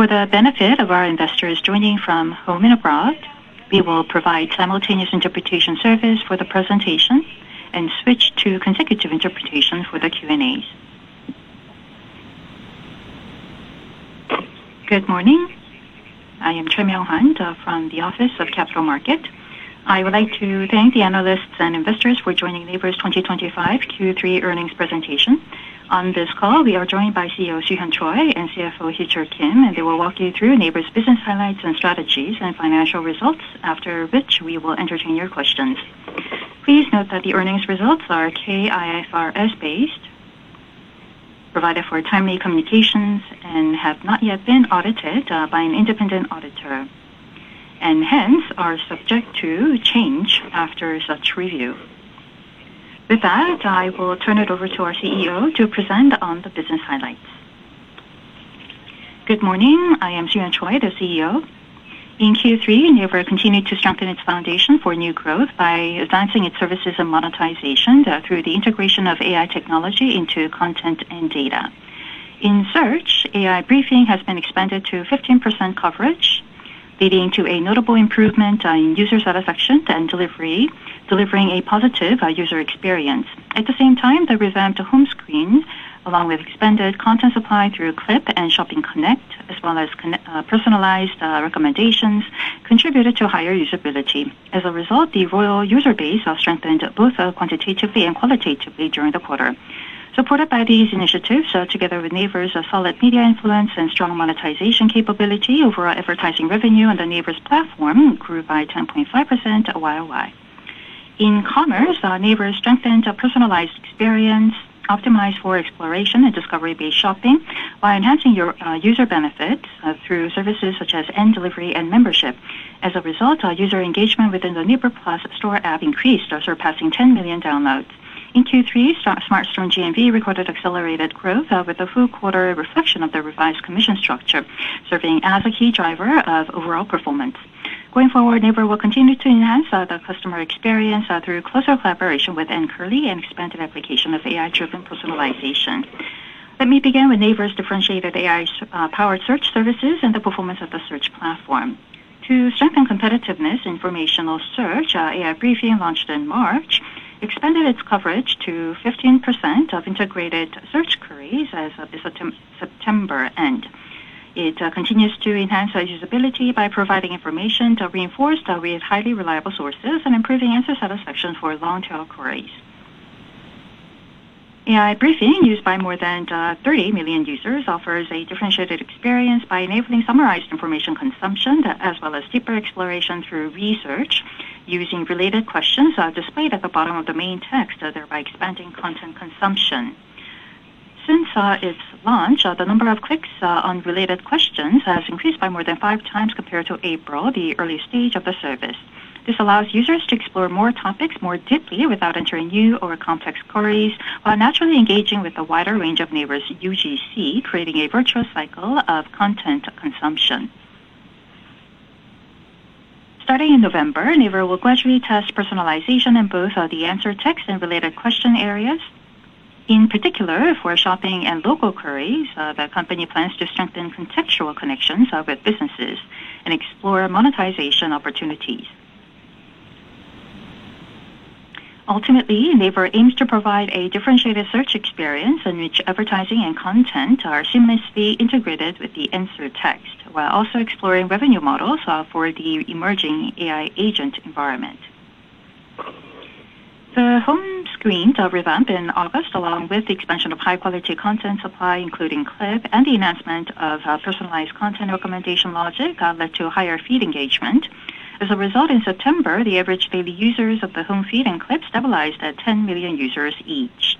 For the benefit of our investors joining from home and abroad, we will provide simultaneous interpretation service for the presentation and switch to consecutive interpretation for the Q&As. Good morning. I am Chon Yo Han, from the Office of Capital Market. I would like to thank the analysts and investors for joining NAVER's 2025 Q3 earnings presentation. On this call, we are joined by CEO Soo-yeon Choi and CFO Hee-Cheol Kim, and they will walk you through NAVER's business highlights and strategies and financial results, after which we will entertain your questions. Please note that the earnings results are K-IFRS based, provided for timely communications, and have not yet been audited by an independent auditor, and hence are subject to change after such review. With that, I will turn it over to our CEO to present on the business highlights. Good morning. I am Soo-yeon Choi, the CEO. In Q3, NAVER continued to strengthen its foundation for new growth by advancing its services and monetization through the integration of AI technology into content and data. In Search, AI Briefing has been expanded to 15% coverage, leading to a notable improvement in user satisfaction and delivery, delivering a positive user experience. At the same time, the revamped home screen, along with expanded content supply through Clip and Shopping Connect, as well as personalized recommendations, contributed to higher usability. As a result, the loyal user base strengthened both quantitatively and qualitatively during the quarter. Supported by these initiatives, together with NAVER's solid media influence and strong monetization capability, overall advertising revenue on NAVER's platform grew by 10.5% YoY. In Commerce, NAVER strengthened a personalized experience, optimized for exploration and discovery-based shopping by enhancing user benefits through services such as end delivery and membership. As a result, user engagement within the NAVER Plus Store app increased, surpassing 10 million downloads. In Q3, Smart Store from GMV recorded accelerated growth with a full quarter reflection of the revised commission structure, serving as a key driver of overall performance. Going forward, NAVER will continue to enhance the customer experience through closer collaboration with Kurly and expanded application of AI-driven personalization. Let me begin with NAVER's differentiated AI-powered search services and the performance of the search platform. To strengthen competitiveness in informational search, AI Briefing launched in March, expanded its coverage to 15% of integrated search queries as of September end. It continues to enhance usability by providing information to reinforce with highly reliable sources and improving answer satisfaction for long-tail queries. AI Briefing, used by more than 30 million users, offers a differentiated experience by enabling summarized information consumption as well as deeper exploration through research using related questions displayed at the bottom of the main text, thereby expanding content consumption. Since its launch, the number of clicks on related questions has increased by more than five times compared to April, the early stage of the service. This allows users to explore more topics more deeply without entering new or complex queries, while naturally engaging with the wider range of NAVER's UGC, creating a virtuous cycle of content consumption. Starting in November, NAVER will gradually test personalization in both the answer text and related question areas, in particular for shopping and local queries. The company plans to strengthen contextual connections with businesses and explore monetization opportunities. Ultimately, NAVER aims to provide a differentiated search experience in which advertising and content are seamlessly integrated with the answer text, while also exploring revenue models for the emerging AI Agent environment. The home screen revamped in August, along with the expansion of high-quality content supply, including Clip and the enhancement of personalized content recommendation logic, led to higher feed engagement. As a result, in September, the average daily users of the home feed and Clip stabilized at 10 million users each.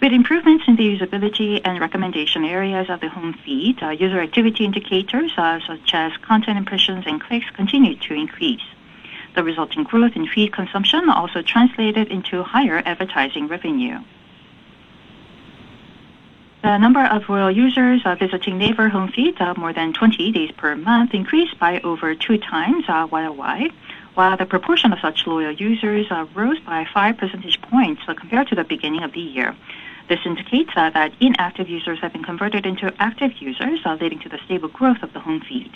With improvements in the usability and recommendation areas of the home feed, user activity indicators such as content impressions and clicks continued to increase. The resulting growth in feed consumption also translated into higher advertising revenue. The number of royal users visiting NAVER home feed more than 20 days per month increased by over two times YoY, while the proportion of such loyal users rose by five percentage points compared to the beginning of the year. This indicates that inactive users have been converted into active users, leading to the stable growth of the home feed.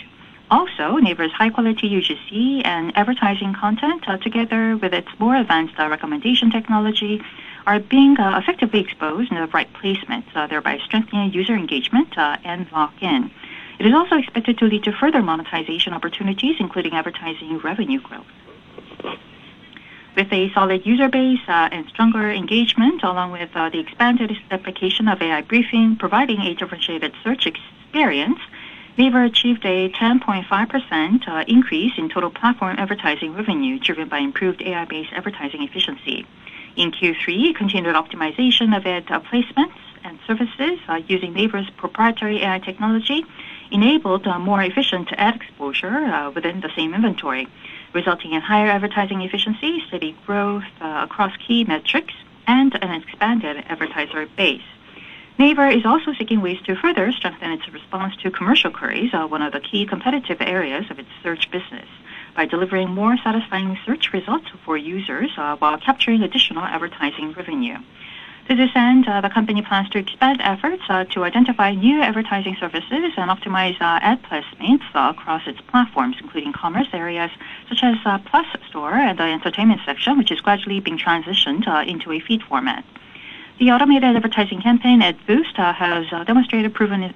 Also, NAVER's high-quality UGC and advertising content, together with its more advanced recommendation technology, are being effectively exposed in the right placement, thereby strengthening user engagement and lock-in. It is also expected to lead to further monetization opportunities, including advertising revenue growth. With a solid user base and stronger engagement, along with the expanded application of AI Briefing, providing a differentiated search experience, NAVER achieved a 10.5% increase in total platform advertising revenue driven by improved AI-based advertising efficiency. In Q3, continued optimization of ad placements and services using NAVER's proprietary AI technology enabled more efficient ad exposure within the same inventory, resulting in higher advertising efficiency, steady growth across key metrics, and an expanded advertiser base. NAVER is also seeking ways to further strengthen its response to commercial queries, one of the key competitive areas of its search business, by delivering more satisfying search results for users while capturing additional advertising revenue. To this end, the company plans to expand efforts to identify new advertising services and optimize ad placements across its platforms, including commerce areas such as Plus Store and the entertainment section, which is gradually being transitioned into a feed format. The automated advertising campaign ADVoost has demonstrated proven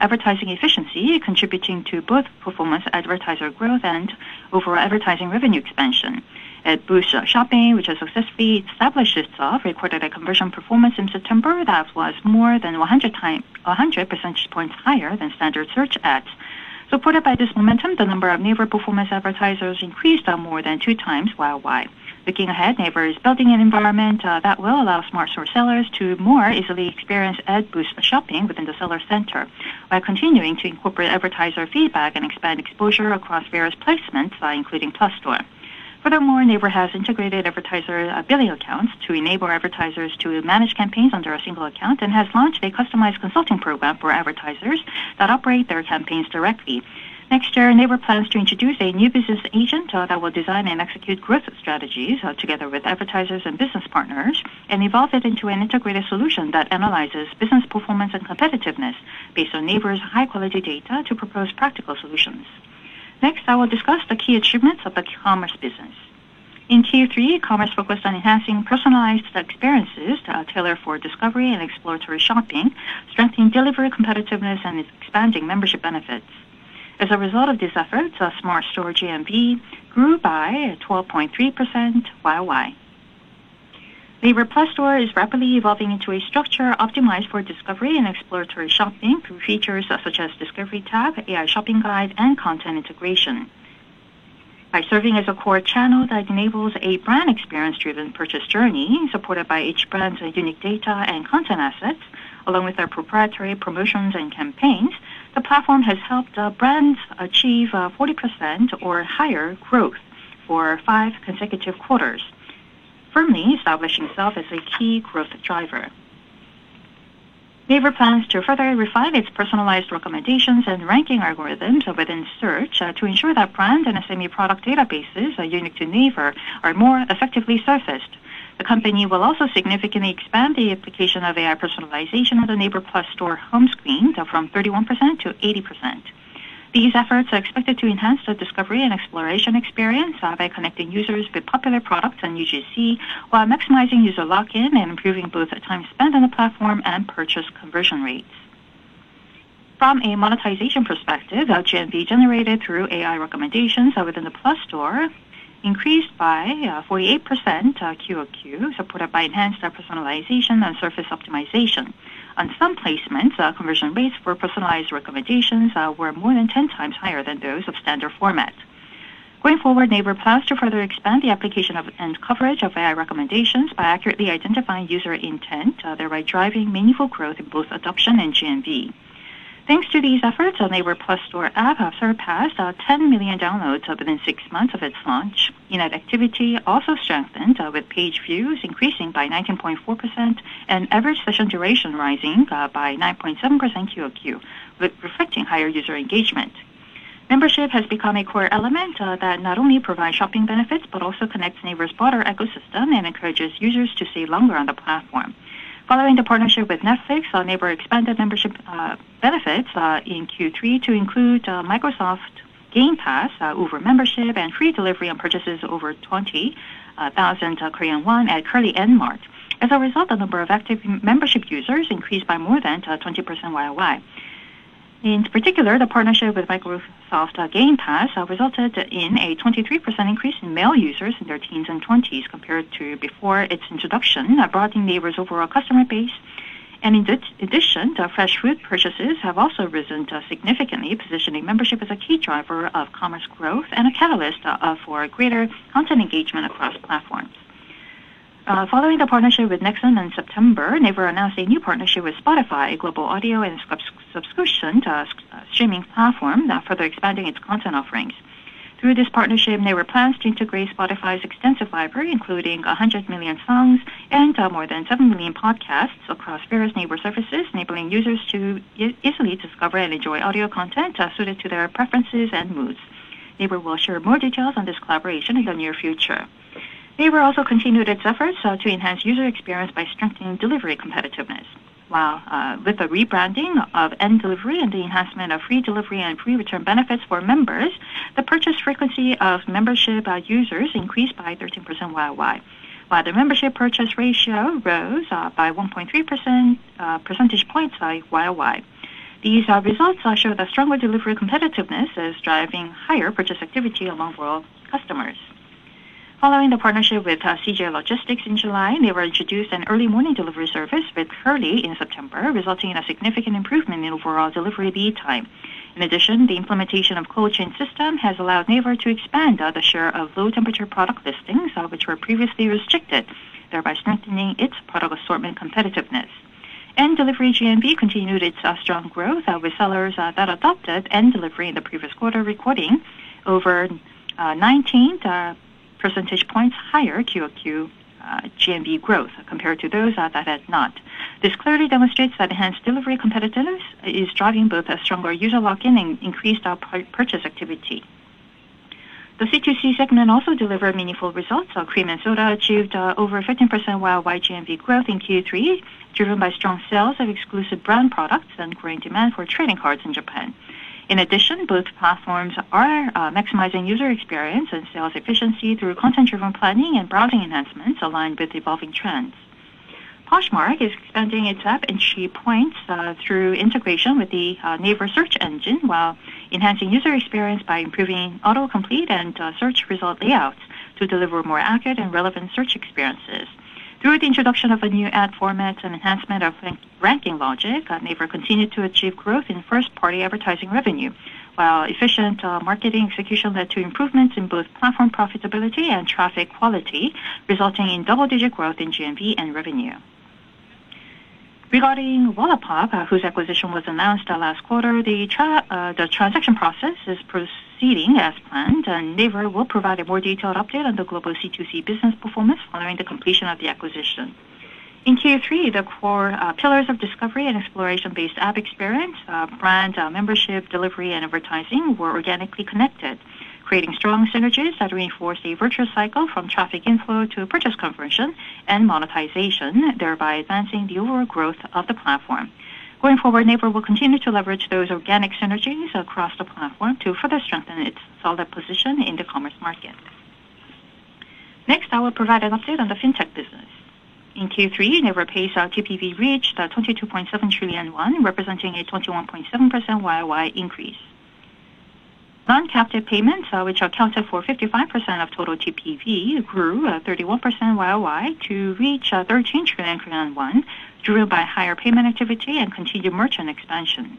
advertising efficiency, contributing to both performance, advertiser growth, and overall advertising revenue expansion. ADVoost Shopping, which has successfully established itself, recorded a conversion performance in September that was more than 100 percentage points higher than standard search ads. Supported by this momentum, the number of NAVER performance advertisers increased more than two times YoY. Looking ahead, NAVER is building an environment that will allow Smart Store sellers to more easily experience ADVoost within the seller center by continuing to incorporate advertiser feedback and expand exposure across various placements, including Plus Store. Furthermore, NAVER has integrated advertiser billing accounts to enable advertisers to manage campaigns under a single account and has launched a customized consulting program for advertisers that operate their campaigns directly. Next year, NAVER plans to introduce a new business agent that will design and execute growth strategies together with advertisers and business partners and evolve it into an integrated solution that analyzes business performance and competitiveness based on NAVER's high-quality data to propose practical solutions. Next, I will discuss the key achievements of the commerce business. In Q3, commerce focused on enhancing personalized experiences to tailor for discovery and exploratory shopping, strengthening delivery competitiveness, and expanding membership benefits. As a result of these efforts, Smart Store GMV grew by 12.3% YoY. NAVER Plus Store is rapidly evolving into a structure optimized for discovery and exploratory shopping through features such as Discovery Tab, AI Shopping Guide, and Content Integration. By serving as a core channel that enables a brand-experience-driven purchase journey, supported by each brand's unique data and content assets, along with their proprietary promotions and campaigns, the platform has helped brands achieve 40% or higher growth for five consecutive quarters, firmly establishing itself as a key growth driver. NAVER plans to further refine its personalized recommendations and ranking algorithms within search to ensure that brand and semi-product databases unique to NAVER are more effectively surfaced. The company will also significantly expand the application of AI personalization on the NAVER Plus Store home screen from 31% to 80%. These efforts are expected to enhance the discovery and exploration experience by connecting users with popular products and UGC, while maximizing user lock-in and improving both time spent on the platform and purchase conversion rates. From a monetization perspective, GMV generated through AI recommendations within the Plus Store increased by 48% QoQ, supported by enhanced personalization and surface optimization. On some placements, conversion rates for personalized recommendations were more than 10x higher than those of standard format. Going forward, NAVER plans to further expand the application and coverage of AI recommendations by accurately identifying user intent, thereby driving meaningful growth in both adoption and GMV. Thanks to these efforts, the NAVER Plus Store app has surpassed 10 million downloads within six months of its launch. In-app activity also strengthened, with page views increasing by 19.4% and average session duration rising by 9.7% QoQ, reflecting higher user engagement. Membership has become a core element that not only provides shopping benefits but also connects NAVER's broader ecosystem and encourages users to stay longer on the platform. Following the partnership with Netflix, NAVER expanded membership benefits in Q3 to include. Microsoft Game Pass, Uber Membership, and free delivery on purchases over 20,000 Korean won at Kurly and Mart. As a result, the number of active membership users increased by more than 20% YoY. In particular, the partnership with Microsoft Game Pass resulted in a 23% increase in male users in their teens and 20s compared to before its introduction, broadening NAVER's overall customer base, and in addition, fresh food purchases have also risen significantly, positioning membership as a key driver of commerce growth and a catalyst for greater content engagement across platforms. Following the partnership with Nexon in September, NAVER announced a new partnership with Spotify, a global audio and subscription streaming platform, further expanding its content offerings. Through this partnership, NAVER plans to integrate Spotify's extensive library, including 100 million songs and more than seven million podcasts across various NAVER services, enabling users to easily discover and enjoy audio content suited to their preferences and moods. NAVER will share more details on this collaboration in the near future. NAVER also continued its efforts to enhance user experience by strengthening delivery competitiveness. With the rebranding of End Delivery and the enhancement of free delivery and free return benefits for members, the purchase frequency of membership users increased by 13% YoY, while the membership purchase ratio rose by 1.3% points YoY. These results show that stronger delivery competitiveness is driving higher purchase activity among loyal customers. Following the partnership with CJ Logistics in July, NAVER introduced an early morning delivery service with Kurly in September, resulting in a significant improvement in overall delivery lead time. In addition, the implementation of cold chain system has allowed NAVER to expand the share of low-temperature product listings, which were previously restricted, thereby strengthening its product assortment competitiveness. End Delivery GMV continued its strong growth with sellers that adopted End Delivery in the previous quarter, recording over 19% points higher QoQ GMV growth compared to those that had not. This clearly demonstrates that enhanced delivery competitiveness is driving both a stronger user lock-in and increased purchase activity. The C2C segment also delivered meaningful results. Cream and Soda achieved over 15% YoY GMV growth in Q3, driven by strong sales of exclusive brand products and growing demand for trading cards in Japan. In addition, both platforms are maximizing user experience and sales efficiency through content-driven planning and browsing enhancements aligned with evolving trends. Poshmark is expanding its app entry points through integration with the NAVER search engine, while enhancing user experience by improving auto-complete and search result layouts to deliver more accurate and relevant search experiences. Through the introduction of a new ad format and enhancement of ranking logic, NAVER continued to achieve growth in first-party advertising revenue, while efficient marketing execution led to improvements in both platform profitability and traffic quality, resulting in double-digit growth in GMV and revenue. Regarding WalletPop, whose acquisition was announced last quarter, the transaction process is proceeding as planned, and NAVER will provide a more detailed update on the global C2C business performance following the completion of the acquisition. In Q3, the core pillars of discovery and exploration-based app experience, brand membership, delivery, and advertising were organically connected, creating strong synergies that reinforced a virtuous cycle from traffic inflow to purchase conversion and monetization, thereby advancing the overall growth of the platform. Going forward, NAVER will continue to leverage those organic synergies across the platform to further strengthen its solid position in the commerce market. Next, I will provide an update on the fintech business. In Q3, NAVER Pay's TPV reached 22.7 trillion won, representing a 21.7% YoY increase. Non-captive payments, which accounted for 55% of total TPV, grew 31% YoY to reach 13 trillion, driven by higher payment activity and continued merchant expansion.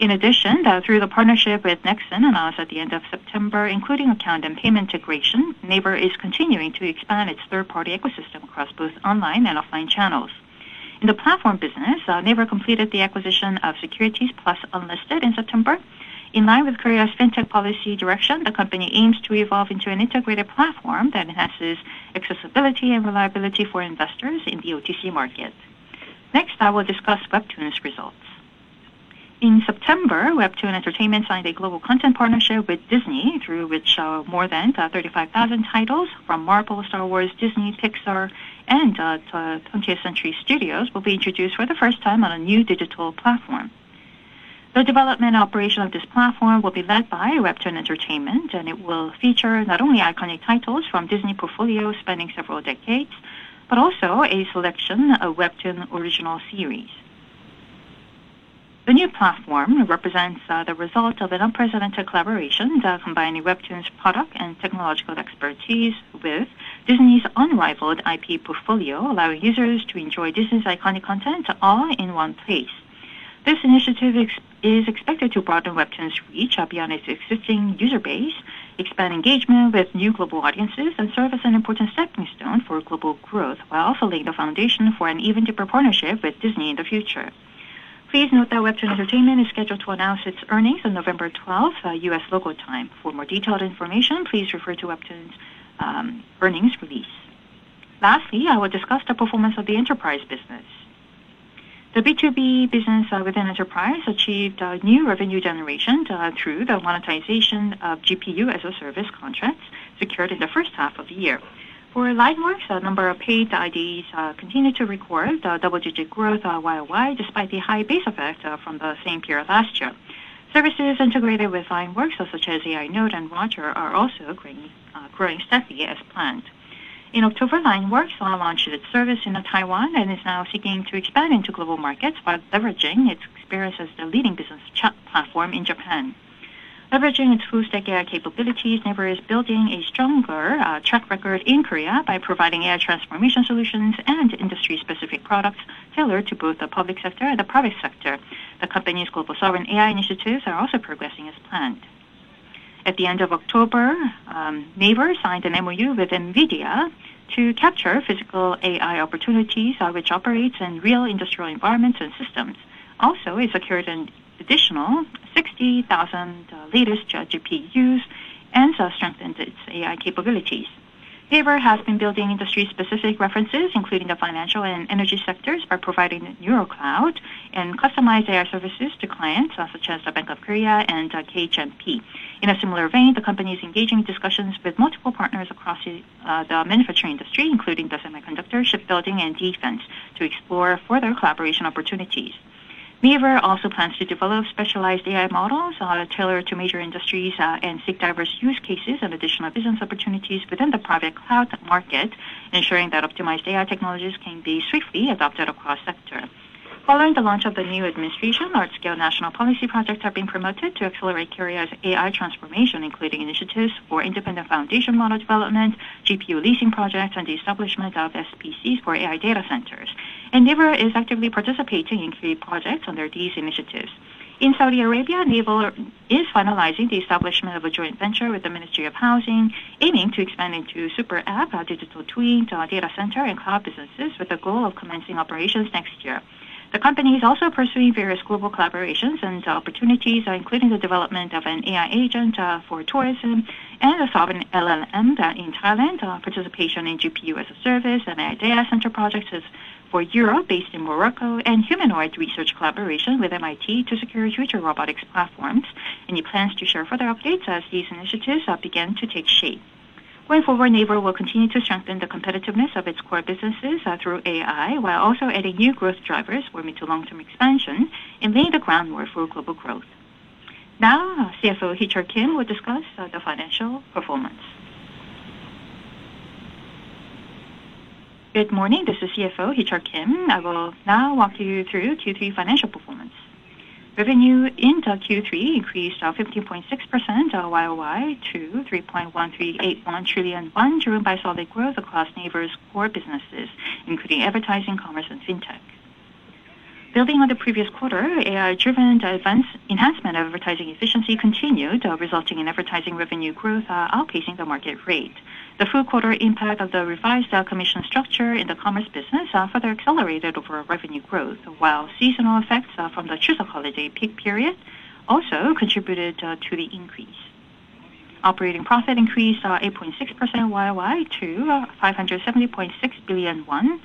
In addition, through the partnership with Nexon announced at the end of September, including account and payment integration, NAVER is continuing to expand its third-party ecosystem across both online and offline channels. In the platform business, NAVER completed the acquisition of Securities Plus Unlisted in September. In line with Korea's fintech policy direction, the company aims to evolve into an integrated platform that enhances accessibility and reliability for investors in the OTC market. Next, I will discuss Webtoon's results. In September, Webtoon Entertainment signed a global content partnership with Disney, through which more than 35,000 titles from Marvel, Star Wars, Disney, Pixar, and 20th Century Studios will be introduced for the first time on a new digital platform. The development and operation of this platform will be led by Webtoon Entertainment, and it will feature not only iconic titles from Disney portfolios spanning several decades but also a selection of Webtoon original series. The new platform represents the result of an unprecedented collaboration that combines Webtoon's product and technological expertise with Disney's unrivaled IP portfolio, allowing users to enjoy Disney's iconic content all in one place. This initiative is expected to broaden Webtoon's reach beyond its existing user base, expand engagement with new global audiences, and serve as an important stepping stone for global growth while also laying the foundation for an even deeper partnership with Disney in the future. Please note that Webtoon Entertainment is scheduled to announce its earnings on November 12, U.S. local time. For more detailed information, please refer to Webtoon's earnings release. Lastly, I will discuss the performance of the enterprise business. The B2B business within enterprise achieved new revenue generation through the monetization of GPU-as-a-service contracts secured in the first half of the year. For LINEWORKS, a number of paid IDs continue to record double-digit growth YoY despite the high base effect from the same period last year. Services integrated with LINEWORKS, such as AI Node and Roger, are also growing steadily as planned. In October, LINEWORKS launched its service in Taiwan and is now seeking to expand into global markets while leveraging its experience as the leading business chat platform in Japan. Leveraging its full-stack AI capabilities, NAVER is building a stronger track record in Korea by providing AI transformation solutions and industry-specific products tailored to both the public sector and the private sector. The company's global sovereign AI initiatives are also progressing as planned. At the end of October, NAVER signed an MOU with NVIDIA to capture physical AI opportunities which operate in real industrial environments and systems. Also, it secured an additional 60,000 latest GPUs and strengthened its AI capabilities. NAVER has been building industry-specific references, including the financial and energy sectors, by providing Neural Cloud and customized AI services to clients such as the Bank of Korea and KGMP. In a similar vein, the company is engaging in discussions with multiple partners across the manufacturing industry, including the semiconductor, chip building, and defense, to explore further collaboration opportunities. NAVER also plans to develop specialized AI models tailored to major industries and seek diverse use cases and additional business opportunities within the private cloud market, ensuring that optimized AI technologies can be swiftly adopted across sectors. Following the launch of the new administration, large-scale national policy projects have been promoted to accelerate Korea's AI transformation, including initiatives for independent foundation model development, GPU leasing projects, and the establishment of SPCs for AI data centers, and NAVER is actively participating in key projects under these initiatives. In Saudi Arabia, NAVER is finalizing the establishment of a joint venture with the Ministry of Housing, aiming to expand into Super App, Digital Twin, Data Center, and Cloud businesses with the goal of commencing operations next year. The company is also pursuing various global collaborations and opportunities, including the development of an AI agent for tourism and a sovereign LLM in Thailand, participation in GPU-as-a-service, and AI data center projects for Europe based in Morocco, and humanoid research collaboration with MIT to secure future robotics platforms. Any plans to share further updates as these initiatives begin to take shape? Going forward, NAVER will continue to strengthen the competitiveness of its core businesses through AI, while also adding new growth drivers, forming long-term expansion and laying the groundwork for global growth. Now, CFO Hee-Cheol Kim will discuss the financial performance. Good morning. This is CFO Hee-Cheol Kim. I will now walk you through Q3 financial performance. Revenue in Q3 increased 15.6% YoY to 3.1381 trillion, driven by solid growth across NAVER's core businesses, including advertising, commerce, and fintech. Building on the previous quarter, AI-driven advanced enhancement of advertising efficiency continued, resulting in advertising revenue growth outpacing the market rate. The full quarter impact of the revised commission structure in the commerce business further accelerated overall revenue growth, while seasonal effects from the Chuseok holiday peak period also contributed to the increase. Operating profit increased 8.6% YoY to 570.6 billion won,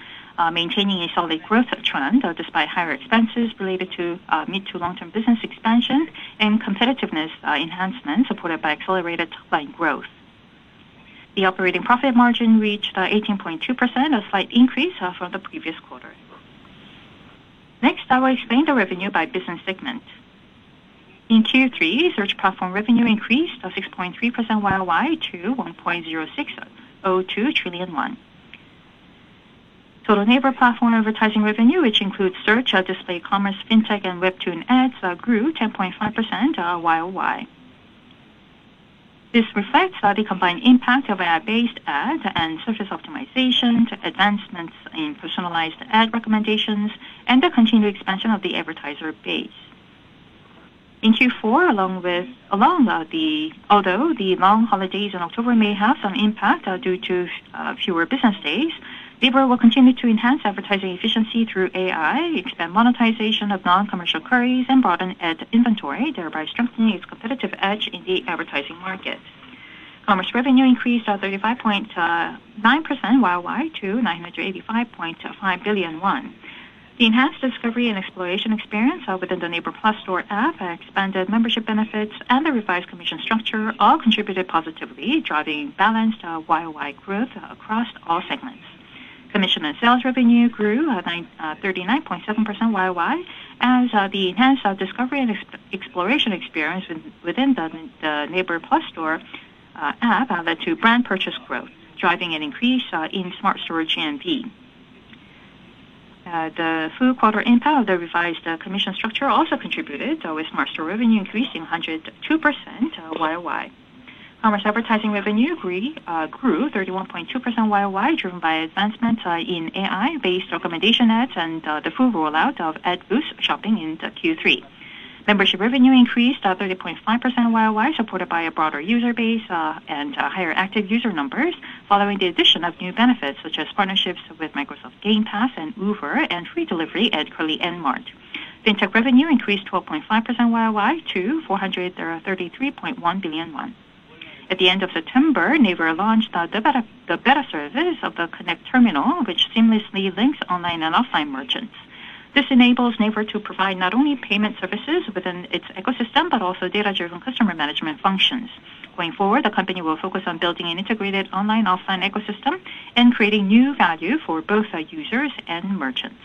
maintaining a solid growth trend despite higher expenses related to mid- to long-term business expansion and competitiveness enhancement supported by accelerated line growth. The operating profit margin reached 18.2%, a slight increase from the previous quarter. Next, I will explain the revenue by business segment. In Q3, search platform revenue increased 6.3% YoY to 1.0602 trillion won. Total NAVER platform advertising revenue, which includes search, display commerce, fintech, and Webtoon ads, grew 10.5% YoY. This reflects the combined impact of ad-based ads and service optimizations, advancements in personalized ad recommendations, and the continued expansion of the advertiser base. In Q4, although the long holidays in October may have some impact due to fewer business days, NAVER will continue to enhance advertising efficiency through AI, expand monetization of non-commercial queries, and broaden ad inventory, thereby strengthening its competitive edge in the advertising market. Commerce revenue increased 35.9% YoY to 985.5 billion won. The enhanced discovery and exploration experience within the NAVER Plus Store app, expanded membership benefits, and the revised commission structure all contributed positively, driving balanced YoY growth across all segments. Commission and sales revenue grew 39.7% YoY as the enhanced discovery and exploration experience within the NAVER Plus Store app led to brand purchase growth, driving an increase in Smart Store GMV. The full quarter impact of the revised commission structure also contributed with Smart Store revenue increasing 102% YoY. Commerce advertising revenue grew 31.2% YoY, driven by advancements in AI-based recommendation ads and the full rollout of ADVoost shopping in Q3. Membership revenue increased 30.5% YoY, supported by a broader user base and higher active user numbers, following the addition of new benefits such as partnerships with Microsoft Game Pass and Uber and free delivery at Kurly and Mart. Fintech revenue increased 12.5% YoY to 433.1 billion won. At the end of September, NAVER launched the beta service of the Connect Terminal, which seamlessly links online and offline merchants. This enables NAVER to provide not only payment services within its ecosystem but also data-driven customer management functions. Going forward, the company will focus on building an integrated online/offline ecosystem and creating new value for both users and merchants.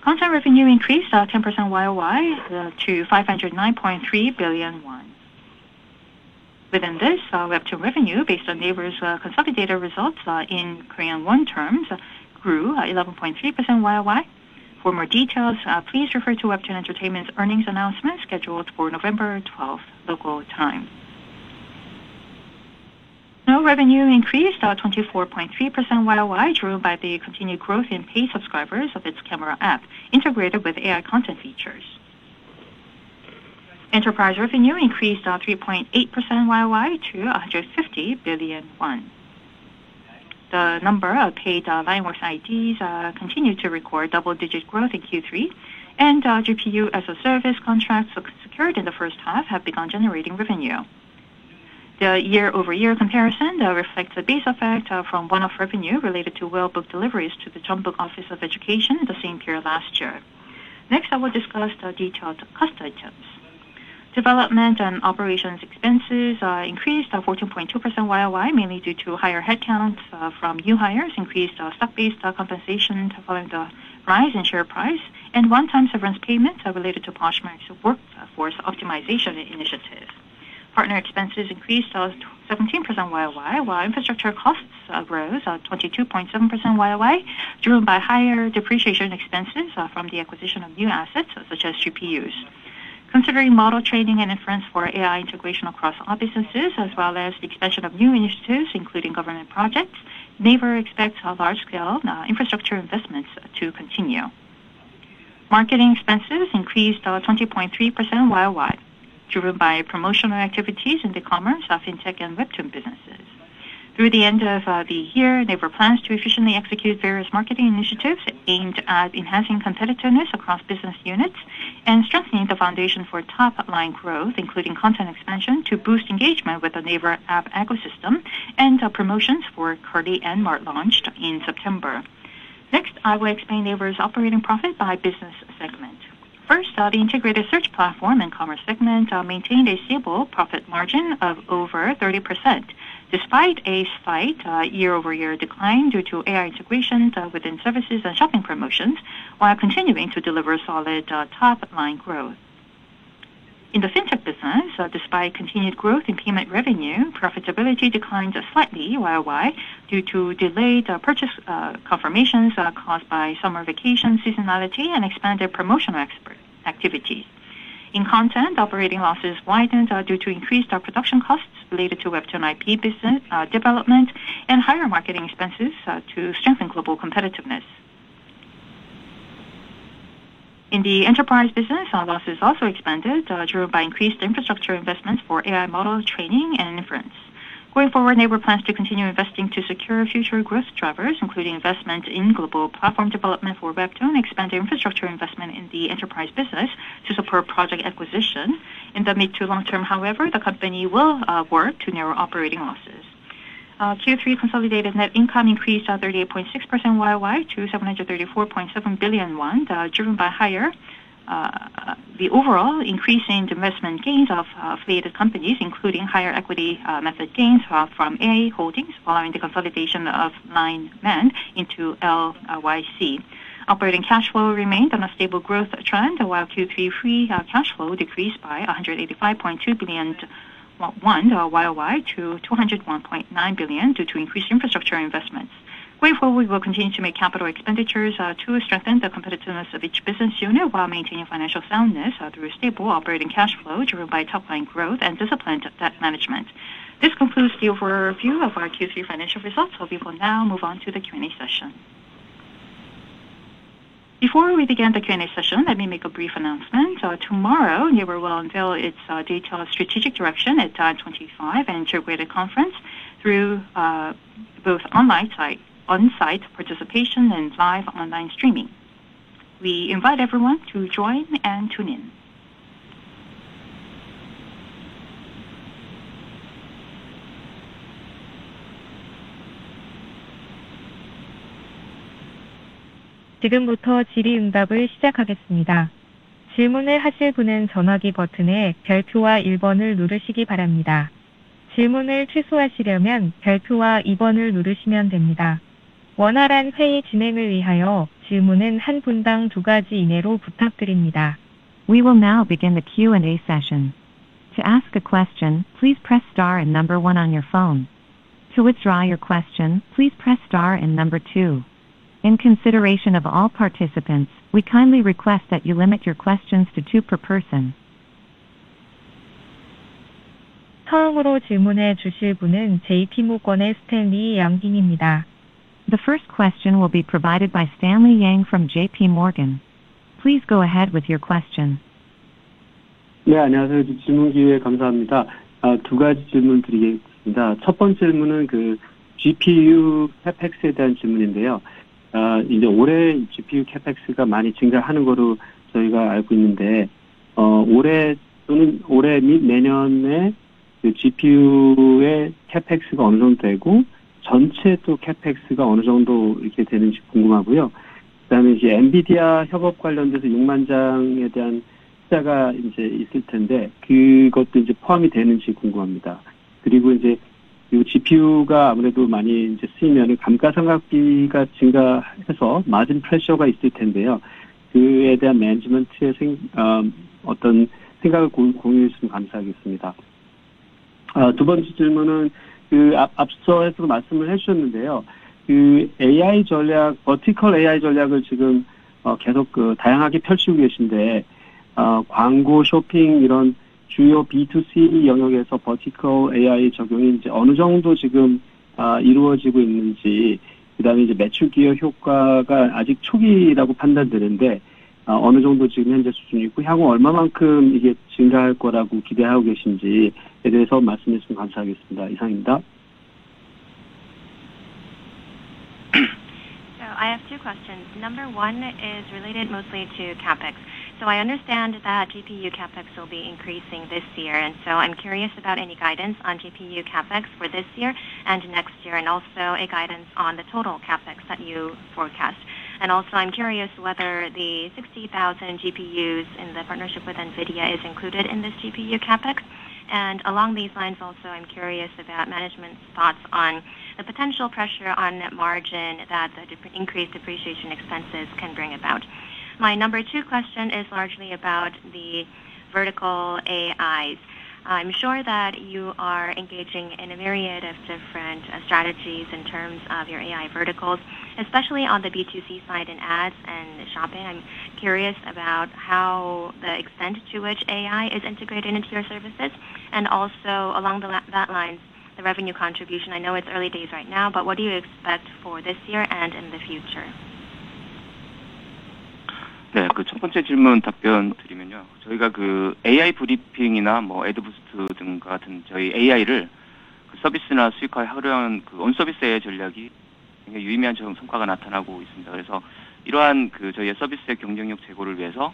Content revenue increased 10% YoY to 509.3 billion won. Within this, Webtoon revenue, based on NAVER's consolidated results in Korean won terms, grew 11.3% YoY. For more details, please refer to Webtoon Entertainment's earnings announcement scheduled for November 12, local time. Snow revenue increased 24.3% YoY, driven by the continued growth in paid subscribers of its camera app integrated with AI content features. Enterprise revenue increased 3.8% YoY to 150 billion won. The number of paid LINEWORKS IDs continued to record double-digit growth in Q3, and GPU-as-a-Service contracts secured in the first half have begun generating revenue. The year-over-year comparison reflects the base effect from one-off revenue related to well-booked deliveries to the Chuncheon Office of Education in the same period last year. Next, I will discuss the detailed cost structure. Development and operations expenses increased 14.2% YoY, mainly due to higher headcounts from new hires, increased stock-based compensation following the rise in share price, and one-time severance payments related to post-market workforce optimization initiatives. Partner expenses increased 17% YoY, while infrastructure costs rose 22.7% YoY, driven by higher depreciation expenses from the acquisition of new assets such as GPUs. Considering model training and inference for AI integration across offices, as well as the expansion of new initiatives including government projects, NAVER expects large-scale infrastructure investments to continue. Marketing expenses increased 20.3% YoY, driven by promotional activities in the commerce, fintech, and Webtoon businesses. Through the end of the year, NAVER plans to efficiently execute various marketing initiatives aimed at enhancing competitiveness across business units and strengthening the foundation for top-line growth, including content expansion to boost engagement with the NAVER app ecosystem, and promotions for Kurly and Mart launched in September. Next, I will explain NAVER's operating profit by business segment. First, the integrated search platform and commerce segment maintained a stable profit margin of over 30% despite a slight year-over-year decline due to AI integration within services and shopping promotions, while continuing to deliver solid top-line growth. In the fintech business, despite continued growth in payment revenue, profitability declined slightly YoY due to delayed purchase confirmations caused by summer vacation seasonality and expanded promotional activity. In content, operating losses widened due to increased production costs related to Webtoon IP development and higher marketing expenses to strengthen global competitiveness. In the enterprise business, losses also expanded, driven by increased infrastructure investments for AI model training and inference. Going forward, NAVER plans to continue investing to secure future growth drivers, including investment in global platform development for Webtoon, expanded infrastructure investment in the enterprise business to support project acquisition. In the mid- to long term, however, the company will work to narrow operating losses. Q3 consolidated net income increased 38.6% YoY to 734.7 billion won, driven by higher. The overall increase in investment gains of affiliated companies, including higher equity method gains from A Holdings following the consolidation of NineMand into LYC. Operating cash flow remained on a stable growth trend, while Q3 free cash flow decreased by 185.2 billion YoY to 201.9 billion due to increased infrastructure investments. Going forward, we will continue to make capital expenditures to strengthen the competitiveness of each business unit while maintaining financial soundness through stable operating cash flow driven by top-line growth and disciplined debt management. This concludes the overview of our Q3 financial results. We will now move on to the Q&A session. Before we begin the Q&A session, let me make a brief announcement. Tomorrow, NAVER will unveil its detailed strategic direction at the 25th Intergrid conference through both on-site participation and live online streaming. We invite everyone to join and tune in. 지금부터 질의응답을 시작하겠습니다. 질문을 하실 분은 전화기 버튼의 *와 1번을 누르시기 바랍니다. 질문을 취소하시려면 *와 2번을 누르시면 됩니다. 원활한 회의 진행을 위하여 질문은 한 분당 두 가지 이내로 부탁드립니다. We will now begin the Q&A session. To ask a question, please press star and number one on your phone. To withdraw your question, please press star and number two. In consideration of all participants, we kindly request that you limit your questions to two per person. 처음으로 질문해 주실 분은 JPMorgan의 Stanley Yang입니다. The first question will be provided by Stanley Yang from JPMorgan. Please go ahead with your question. 네, 안녕하세요. 질문 기회 감사합니다. 두 가지 질문 드리겠습니다. 첫 번째 질문은 GPU CapEx에 대한 질문인데요. 이제 올해 GPU CapEx가 많이 증가하는 걸로 저희가 알고 있는데. 올해 또는 올해 및 내년에. GPU의 CapEx가 어느 정도 되고 전체 또 CapEx가 어느 정도 이렇게 되는지 궁금하고요. 그다음에 이제 NVIDIA 협업 관련돼서 6만 장에 대한 투자가 이제 있을 텐데 그것도 이제 포함이 되는지 궁금합니다. 그리고 이제 이 GPU가 아무래도 많이 이제 쓰이면 감가상각비가 증가해서 마진 프레셔가 있을 텐데요. 그에 대한 매니지먼트에 어떤 생각을 공유해 주시면 감사하겠습니다. 두 번째 질문은 그 앞서에서도 말씀을 해 주셨는데요. 그 AI 전략, Vertical AI 전략을 지금 계속 다양하게 펼치고 계신데. 광고 쇼핑 이런 주요 B2C 영역에서 Vertical AI 적용이 이제 어느 정도 지금 이루어지고 있는지, 그다음에 이제 매출 기여 효과가 아직 초기라고 판단되는데 어느 정도 지금 현재 수준이고 향후 얼마만큼 이게 증가할 거라고 기대하고 계신지에 대해서 말씀해 주시면 감사하겠습니다. 이상입니다. I have two questions. Number one is related mostly to CapEx. So I understand that GPU CapEx will be increasing this year, and so I'm curious about any guidance on GPU CapEx for this year and next year, and also a guidance on the total CapEx that you forecast. And also I'm curious whether the 60,000 GPUs in the partnership with NVIDIA is included in this GPU CapEx. And along these lines also, I'm curious about management's thoughts on the potential pressure on net margin that the increased depreciation expenses can bring about. My number two question is largely about the vertical AIs. I'm sure that you are engaging in a myriad of different strategies in terms of your AI verticals, especially on the B2C side in ads and shopping. I'm curious about how the extent to which AI is integrated into your services, and also along that line, the revenue contribution. I know it's early days right now, but what do you expect for this year and in the future? 네, 그첫 번째 질문 답변 드리면요. 저희가 그 AI Briefing이나 뭐 ADVoost 등과 같은 저희 AI를 그 서비스나 수익화에 활용하는 그 온서비스의 전략이 굉장히 유의미한 성과가 나타나고 있습니다. 그래서 이러한 그 저희의 서비스의 경쟁력 제고를 위해서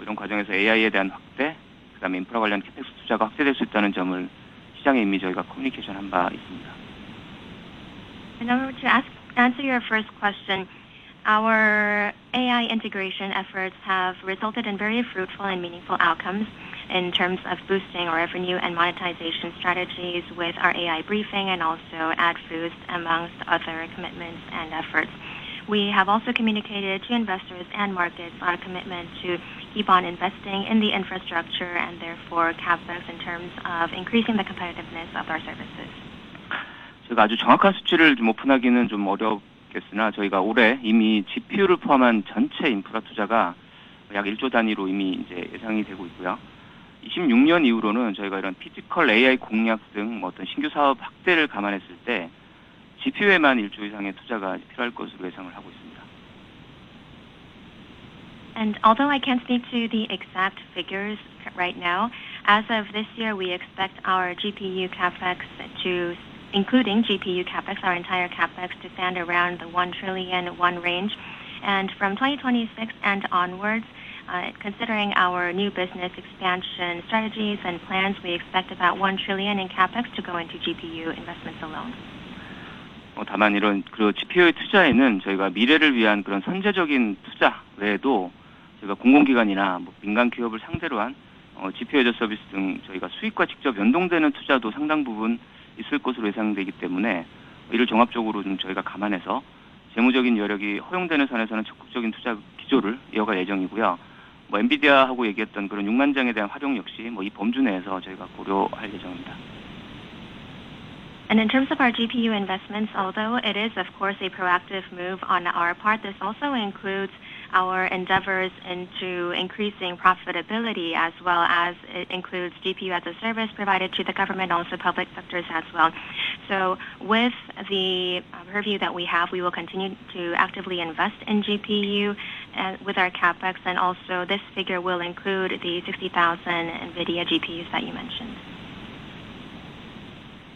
이런 과정에서 AI에 대한 확대, 그다음에 인프라 관련 CapEx 투자가 확대될 수 있다는 점을 시장에 이미 저희가 커뮤니케이션한 바 있습니다. And I would answer your first question. Our AI integration efforts have resulted in very fruitful and meaningful outcomes in terms of boosting our revenue and monetization strategies with our AI Briefing and also ADVoost amongst other commitments and efforts. We have also communicated to investors and markets our commitment to keep on investing in the infrastructure and therefore CapEx in terms of increasing the competitiveness of our services. 제가 아주 정확한 수치를 좀 오픈하기는 좀 어렵겠으나 저희가 올해 이미 GPU를 포함한 전체 인프라 투자가 약 1조 단위로 이미 이제 예상이 되고 있고요. 26년 이후로는 저희가 이런 피지컬 AI 공략 등뭐 어떤 신규 사업 확대를 감안했을 때 GPU에만 1조 이상의 투자가 필요할 것으로 예상을 하고 있습니다. And although I can't speak to the exact figures right now, as of this year, we expect our GPU CapEx to, including GPU CapEx, our entire CapEx to stand around the KRW 1 trillion range. And from 2026 and onwards, considering our new business expansion strategies and plans, we expect about KRW 1 trillion in CapEx to go into GPU investments alone. 다만 이런 그 GPU의 투자에는 저희가 미래를 위한 그런 선제적인 투자 외에도 저희가 공공기관이나 민간 기업을 상대로 한 GPU 애저 서비스 등 저희가 수익과 직접 연동되는 투자도 상당 부분 있을 것으로 예상되기 때문에 이를 종합적으로 좀 저희가 감안해서 재무적인 여력이 허용되는 선에서는 적극적인 투자 기조를 이어갈 예정이고요. 뭐 엔비디아하고 얘기했던 그런 6만 장에 대한 활용 역시 뭐이 범주 내에서 저희가 고려할 예정입니다. And in terms of our GPU investments, although it is of course a proactive move on our part, this also includes our endeavors into increasing profitability as well as it includes GPU as a service provided to the government, also public sectors as well. So with the purview that we have, we will continue to actively invest in GPU and with our CapEx, and also this figure will include the 60,000 NVIDIA GPUs that you mentioned.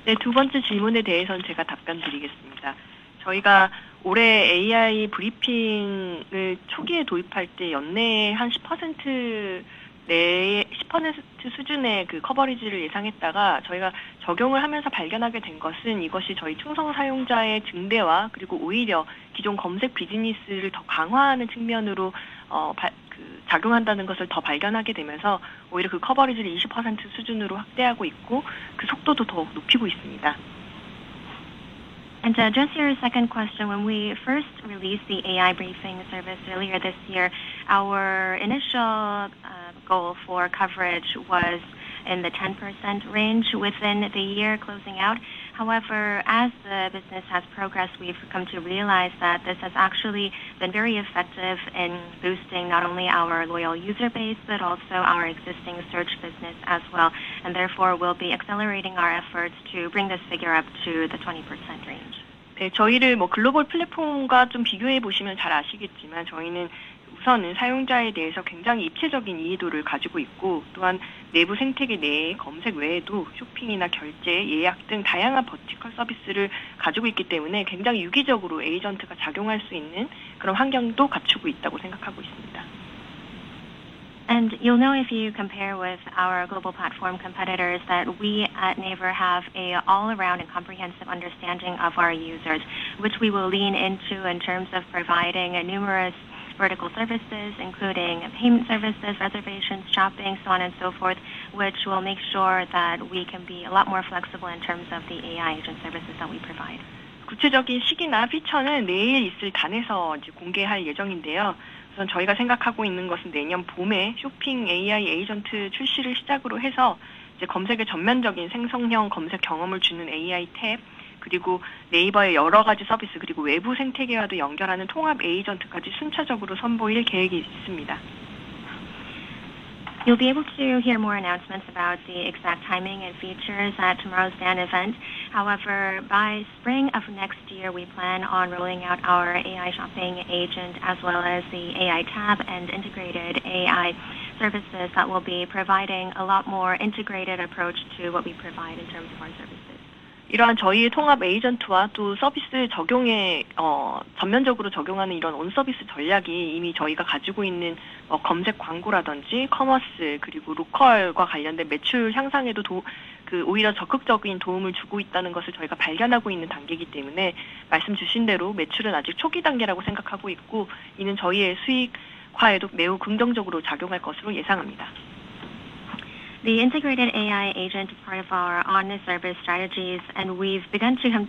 네, 두 번째 질문에 대해서는 제가 답변 드리겠습니다. 저희가 올해 AI Briefing을 초기에 도입할 때 연내에 한 10% 수준의 그 커버리지를 예상했다가 저희가 적용을 하면서 발견하게 된 것은 이것이 저희 충성 사용자의 증대와 그리고 오히려 기존 검색 비즈니스를 더 강화하는 측면으로 작용한다는 것을 더 발견하게 되면서 오히려 그 커버리지를 20% 수준으로 확대하고 있고 그 속도도 더욱 높이고 있습니다. And to address your second question, when we first released the AI Briefing service earlier this year, our initial goal for coverage was in the 10% range within the year closing out. However, as the business has progressed, we've come to realize that this has actually been very effective in boosting not only our loyal user base but also our existing search business as well, and therefore we'll be accelerating our efforts to bring this figure up to the 20% range. 네, 저희를 뭐 글로벌 플랫폼과 좀 비교해 보시면 잘 아시겠지만 저희는 우선은 사용자에 대해서 굉장히 입체적인 이해도를 가지고 있고 또한 내부 생태계 내에 검색 외에도 쇼핑이나 결제, 예약 등 다양한 버티컬 서비스를 가지고 있기 때문에 굉장히 유기적으로 에이전트가 작용할 수 있는 그런 환경도 갖추고 있다고 생각하고 있습니다. And you'll know if you compare with our global platform competitors that we at NAVER have an all-around and comprehensive understanding of our users, which we will lean into in terms of providing numerous vertical services including payment services, reservations, shopping, so on and so forth, which will make sure that we can be a lot more flexible in terms of the AI agent services that we provide. 구체적인 시기나 피처는 내일 있을 단에서 이제 공개할 예정인데요. 우선 저희가 생각하고 있는 것은 내년 봄에 쇼핑 AI 에이전트 출시를 시작으로 해서 이제 검색의 전면적인 생성형 검색 경험을 주는 AI 탭, 그리고 네이버의 여러 가지 서비스, 그리고 외부 생태계와도 연결하는 통합 에이전트까지 순차적으로 선보일 계획이 있습니다. You'll be able to hear more announcements about the exact timing and features at tomorrow's Dan event. However, by spring of next year, we plan on rolling out our AI shopping agent as well as the AI tab and integrated AI services that will be providing a lot more integrated approach to what we provide in terms of our services. 이러한 저희 통합 에이전트와 또 서비스 적용에 전면적으로 적용하는 이런 온서비스 전략이 이미 저희가 가지고 있는 검색 광고라든지 커머스, 그리고 로컬과 관련된 매출 향상에도 오히려 적극적인 도움을 주고 있다는 것을 저희가 발견하고 있는 단계이기 때문에 말씀 주신 대로 매출은 아직 초기 단계라고 생각하고 있고 이는 저희의 수익화에도 매우 긍정적으로 작용할 것으로 예상합니다. The integrated AI agent is part of our on-the-service strategies, and we've begun to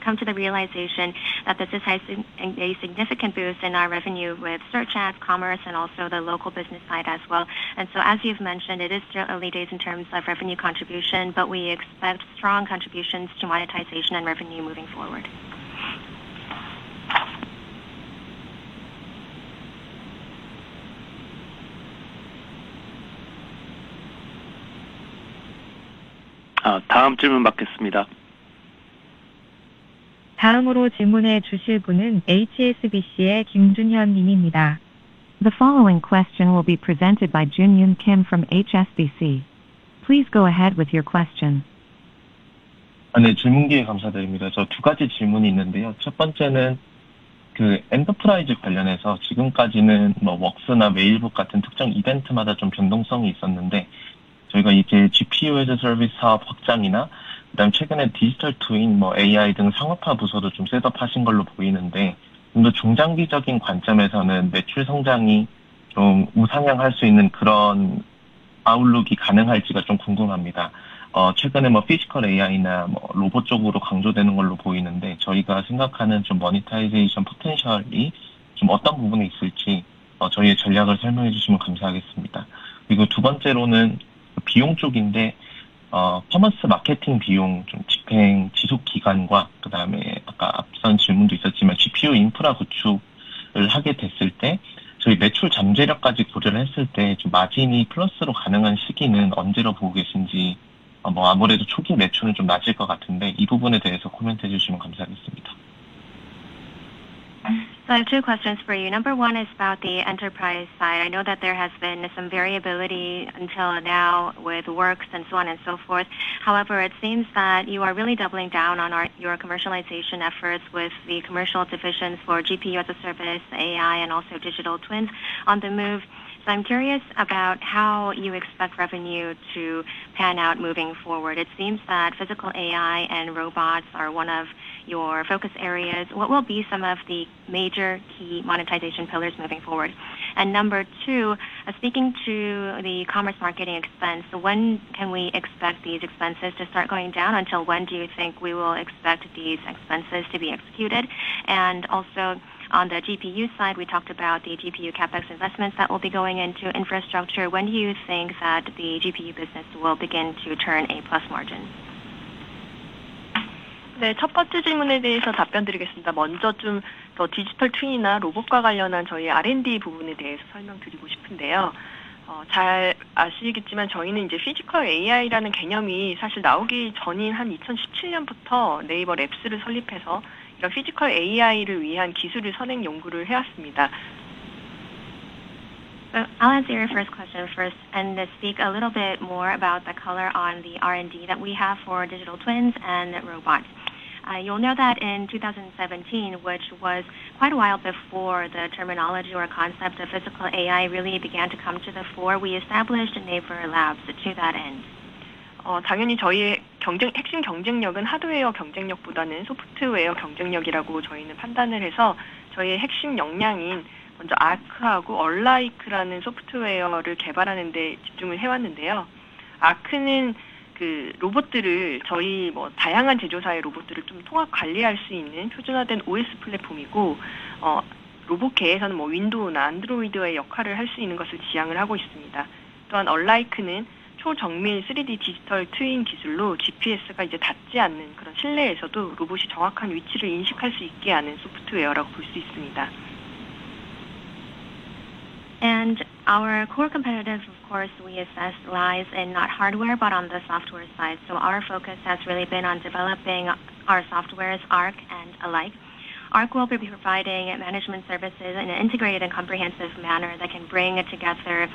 come to the realization that this has a significant boost in our revenue with search ads, commerce, and also the local business side as well. And so, as you've mentioned, it is still early days in terms of revenue contribution, but we expect strong contributions to monetization and revenue moving forward. 다음 질문 받겠습니다. 다음으로 질문해 주실 분은 HSBC의 김준현 님입니다. The following question will be presented by Junhyun Kim from HSBC. Please go ahead with your question. 네, 질문 기회 감사드립니다. 저두 가지 질문이 있는데요. 첫 번째는. 그 엔터프라이즈 관련해서 지금까지는 뭐 웍스나 메일북 같은 특정 이벤트마다 좀 변동성이 있었는데 저희가 이제 GPU 애저 서비스 사업 확장이나 그다음 최근에 디지털 트윈, 뭐 AI 등 상업화 부서도 좀 셋업하신 걸로 보이는데 좀더 중장기적인 관점에서는 매출 성장이 좀 우상향할 수 있는 그런. 아웃룩이 가능할지가 좀 궁금합니다. 최근에 뭐 피지컬 AI나 뭐 로봇 쪽으로 강조되는 걸로 보이는데 저희가 생각하는 좀 모니타이제이션 포텐셜이 좀 어떤 부분에 있을지 저희의 전략을 설명해 주시면 감사하겠습니다. 그리고 두 번째로는 비용 쪽인데. 커머스 마케팅 비용, 좀 집행 지속 기간과 그다음에 아까 앞선 질문도 있었지만 GPU 인프라 구축을 하게 됐을 때 저희 매출 잠재력까지 고려를 했을 때좀 마진이 플러스로 가능한 시기는 언제로 보고 계신지 뭐 아무래도 초기 매출은 좀 낮을 것 같은데 이 부분에 대해서 코멘트해 주시면 감사하겠습니다. So I have two questions for you. Number one is about the enterprise side. I know that there has been some variability until now with Works and so on and so forth. However, it seems that you are really doubling down on your commercialization efforts with the commercial divisions for GPU-as-a-Service, AI, and also digital twins on the move. So I'm curious about how you expect revenue to pan out moving forward. It seems that physical AI and robots are one of your focus areas. What will be some of the major key monetization pillars moving forward? And number two, speaking to the commerce marketing expense, when can we expect these expenses to start going down? Until when do you think we will expect these expenses to be executed? And also on the GPU side, we talked about the GPU CapEx investments that will be going into infrastructure. When do you think that the GPU business will begin to turn a plus margin? 네, 첫 번째 질문에 대해서 답변 드리겠습니다. 먼저 좀더 디지털 트윈이나 로봇과 관련한 저희 R&D 부분에 대해서 설명드리고 싶은데요. 잘 아시겠지만 저희는 이제 피지컬 AI라는 개념이 사실 나오기 전인 한 2017년부터 네이버 랩스를 설립해서 이런 피지컬 AI를 위한 기술을 선행 연구를 해왔습니다. So I'll answer your first question first and speak a little bit more about the color on the R&D that we have for digital twins and robots. You'll know that in 2017, which was quite a while before the terminology or concept of physical AI really began to come to the fore, we established NAVER Labs to that end. 당연히 저희의 핵심 경쟁력은 하드웨어 경쟁력보다는 소프트웨어 경쟁력이라고 저희는 판단을 해서 저희의 핵심 역량인 먼저 아크하고 얼라이크라는 소프트웨어를 개발하는 데 집중을 해왔는데요. 아크는 그 로봇들을 저희 뭐 다양한 제조사의 로봇들을 좀 통합 관리할 수 있는 표준화된 OS 플랫폼이고. 로봇계에서는 뭐 윈도우나 안드로이드의 역할을 할수 있는 것을 지향을 하고 있습니다. 또한 얼라이크는 초정밀 3D 디지털 트윈 기술로 GPS가 이제 닿지 않는 그런 실내에서도 로봇이 정확한 위치를 인식할 수 있게 하는 소프트웨어라고 볼수 있습니다. And our core competitive, of course, we assess lies in not hardware but on the software side. So our focus has really been on developing our softwares, ARC and Alike. ARC will be providing management services in an integrated and comprehensive manner that can bring together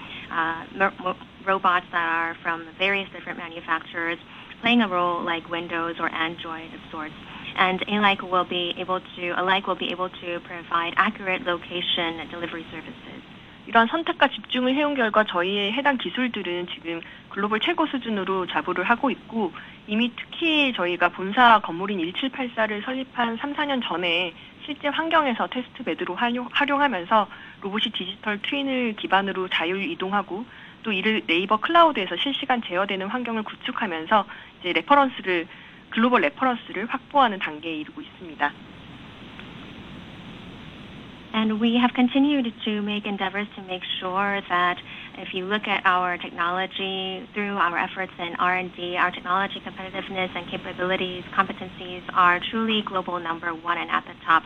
robots that are from various different manufacturers playing a role like Windows or Android of sorts. And Alike will be able to provide accurate location services. 이런 선택과 집중을 해온 결과 저희의 해당 기술들은 지금 글로벌 최고 수준으로 자부를 하고 있고 이미 특히 저희가 본사 건물인 1784를 설립한 3, 4년 전에 실제 환경에서 테스트 베드로 활용하면서 로봇이 디지털 트윈을 기반으로 자율 이동하고 또 이를 네이버 클라우드에서 실시간 제어되는 환경을 구축하면서 이제 레퍼런스를 글로벌 레퍼런스를 확보하는 단계에 이르고 있습니다. And we have continued to make endeavors to make sure that if you look at our technology through our efforts in R&D, our technology competitiveness and capabilities, competencies are truly global number one and at the top.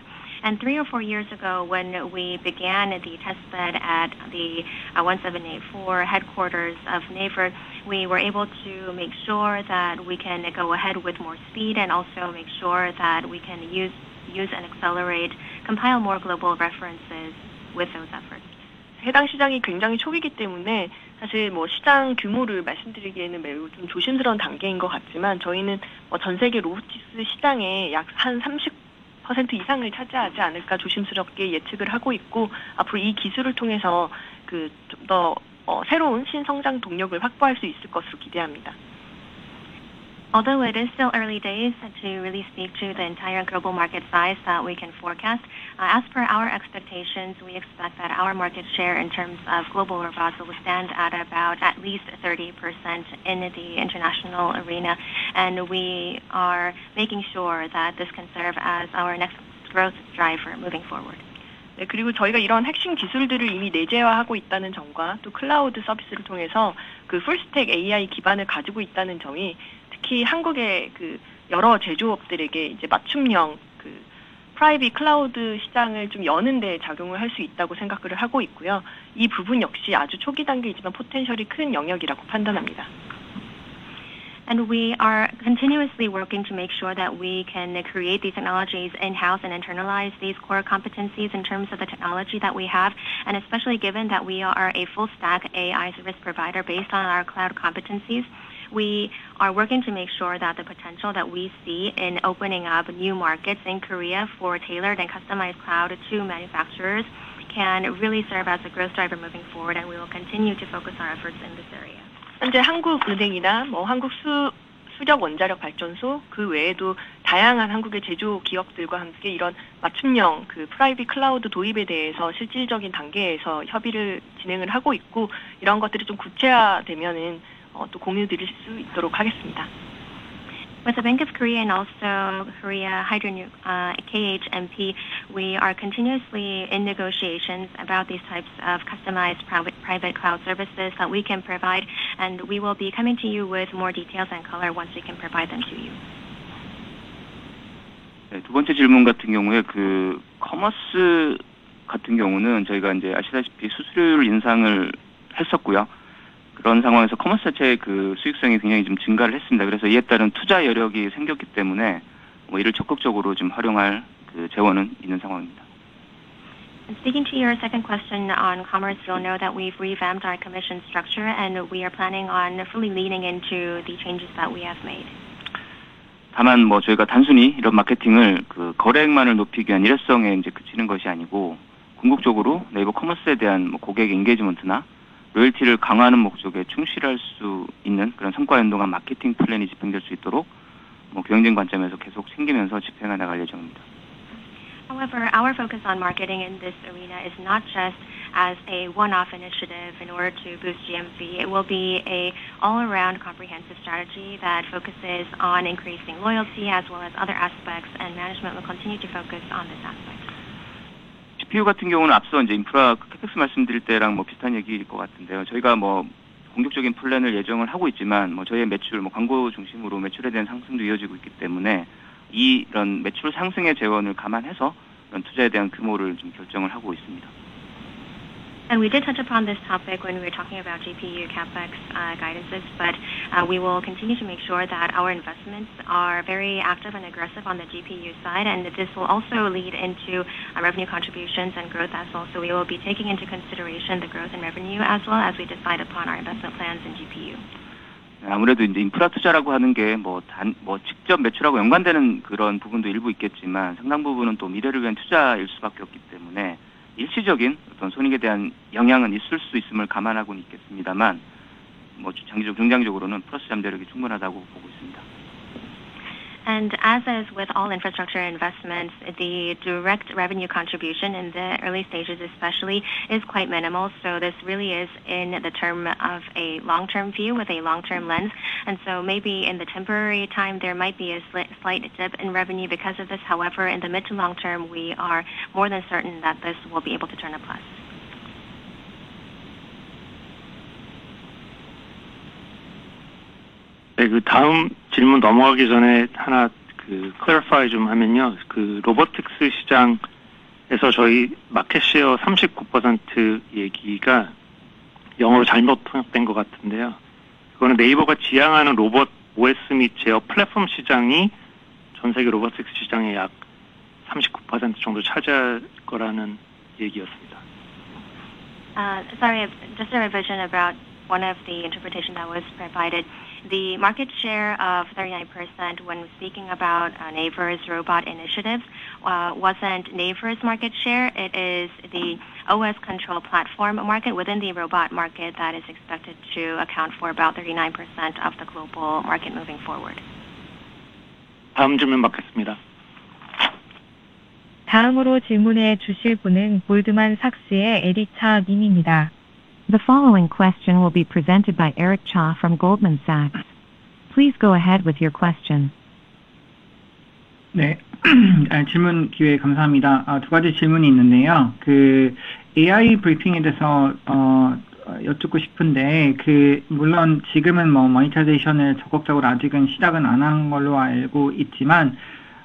Three or four years ago when we began the test bed at the 1784 headquarters of NAVER, we were able to make sure that we can go ahead with more speed and also make sure that we can use and accelerate, compile more global references with those efforts. 해당 시장이 굉장히 초기이기 때문에 사실 뭐 시장 규모를 말씀드리기에는 매우 좀 조심스러운 단계인 것 같지만 저희는 전 세계 로보틱스 시장의 약한 30% 이상을 차지하지 않을까 조심스럽게 예측을 하고 있고 앞으로 이 기술을 통해서 그좀더 새로운 신성장 동력을 확보할 수 있을 것으로 기대합니다. Although it is still early days to really speak to the entire global market size that we can forecast, as per our expectations, we expect that our market share in terms of global robots will stand at about at least 30% in the international arena, and we are making sure that this can serve as our next growth driver moving forward. 네, 그리고 저희가 이런 핵심 기술들을 이미 내재화하고 있다는 점과 또 클라우드 서비스를 통해서 그 풀스택 AI 기반을 가지고 있다는 점이 특히 한국의 그 여러 제조업들에게 이제 맞춤형 그 프라이빗 클라우드 시장을 좀 여는 데 작용을 할수 있다고 생각을 하고 있고요. 이 부분 역시 아주 초기 단계이지만 포텐셜이 큰 영역이라고 판단합니다. And we are continuously working to make sure that we can create these technologies in-house and internalize these core competencies in terms of the technology that we have, and especially given that we are a full-stack AI service provider based on our cloud competencies, we are working to make sure that the potential that we see in opening up new markets in Korea for tailored and customized cloud to manufacturers can really serve as a growth driver moving forward, and we will continue to focus our efforts in this area. 현재 한국 은행이나 뭐 한국 수력 원자력 발전소 그 외에도 다양한 한국의 제조 기업들과 함께 이런 맞춤형 그 프라이빗 클라우드 도입에 대해서 실질적인 단계에서 협의를 진행을 하고 있고 이런 것들이 좀 구체화되면은 또 공유드릴 수 있도록 하겠습니다. With the Bank of Korea and also Korea Hydro & Nuclear Power (KHNP), we are continuously in negotiations about these types of customized private cloud services that we can provide, and we will be coming to you with more details and color once we can provide them to you. 두 번째 질문 같은 경우에 그 커머스 같은 경우는 저희가 이제 아시다시피 수수료율 인상을 했었고요. 그런 상황에서 커머스 자체의 그 수익성이 굉장히 좀 증가를 했습니다. 그래서 이에 따른 투자 여력이 생겼기 때문에 뭐 이를 적극적으로 좀 활용할 그 재원은 있는 상황입니다. Speaking to your second question on commerce, you'll know that we've revamped our commission structure, and we are planning on fully leaning into the changes that we have made. 다만 뭐 저희가 단순히 이런 마케팅을 그 거래액만을 높이기 위한 일회성에 이제 그치는 것이 아니고 궁극적으로 네이버 커머스에 대한 뭐 고객 엔게이지먼트나 로열티를 강화하는 목적에 충실할 수 있는 그런 성과 연동한 마케팅 플랜이 집행될 수 있도록 뭐 경쟁 관점에서 계속 생기면서 집행해 나갈 예정입니다. However, our focus on marketing in this arena is not just as a one-off initiative in order to boost GMV. It will be an all-around comprehensive strategy that focuses on increasing loyalty as well as other aspects, and management will continue to focus on this aspect. GPU 같은 경우는 앞서 이제 인프라 CapEx 말씀드릴 때랑 뭐 비슷한 얘기일 것 같은데요. 저희가 뭐 공격적인 플랜을 예정을 하고 있지만 뭐 저희의 매출 뭐 광고 중심으로 매출에 대한 상승도 이어지고 있기 때문에 이런 매출 상승의 재원을 감안해서 이런 투자에 대한 규모를 좀 결정을 하고 있습니다. And we did touch upon this topic when we were talking about GPU CapEx guidances, but we will continue to make sure that our investments are very active and aggressive on the GPU side, and this will also lead into revenue contributions and growth as well. So we will be taking into consideration the growth and revenue as well as we decide upon our investment plans in GPU. 아무래도 이제 인프라 투자라고 하는 게뭐단뭐 직접 매출하고 연관되는 그런 부분도 일부 있겠지만 상당 부분은 또 미래를 위한 투자일 수밖에 없기 때문에 일시적인 어떤 손익에 대한 영향은 있을 수 있음을 감안하고는 있겠습니다만 뭐 장기적 긍정적으로는 플러스 잠재력이 충분하다고 보고 있습니다. And as is with all infrastructure investments, the direct revenue contribution in the early stages especially is quite minimal. So this really is in the term of a long-term view with a long-term lens. And so maybe in the temporary time there might be a slight dip in revenue because of this. However, in the mid to long term, we are more than certain that this will be able to turn a plus. 네, 그 다음 질문 넘어가기 전에 하나 그 clarify 좀 하면요. 그 robotics 시장. 에서 저희 market share 39% 얘기가. 영어로 잘못 통역된 것 같은데요. 그거는 NAVER가 지향하는 로봇 OS 및 제어 플랫폼 시장이 전 세계 robotics 시장의 약 39% 정도 차지할 거라는 얘기였습니다. Sorry, just a revision about one of the interpretations that was provided. The market share of 39% when speaking about NAVER's robot initiatives wasn't NAVER's market share. It is the OS control platform market within the robot market that is expected to account for about 39% of the global market moving forward. 다음 질문 받겠습니다. 다음으로 질문해 주실 분은 Goldman Sachs의 Eric Cha 님입니다. The following question will be presented by Eric Cha from Goldman Sachs. Please go ahead with your question. 네, 질문 기회 감사합니다. 두 가지 질문이 있는데요. 그 AI Briefing에 대해서 어 여쭙고 싶은데, 그 물론 지금은 뭐 monetization을 적극적으로 아직은 시작은 안한 걸로 알고 있지만,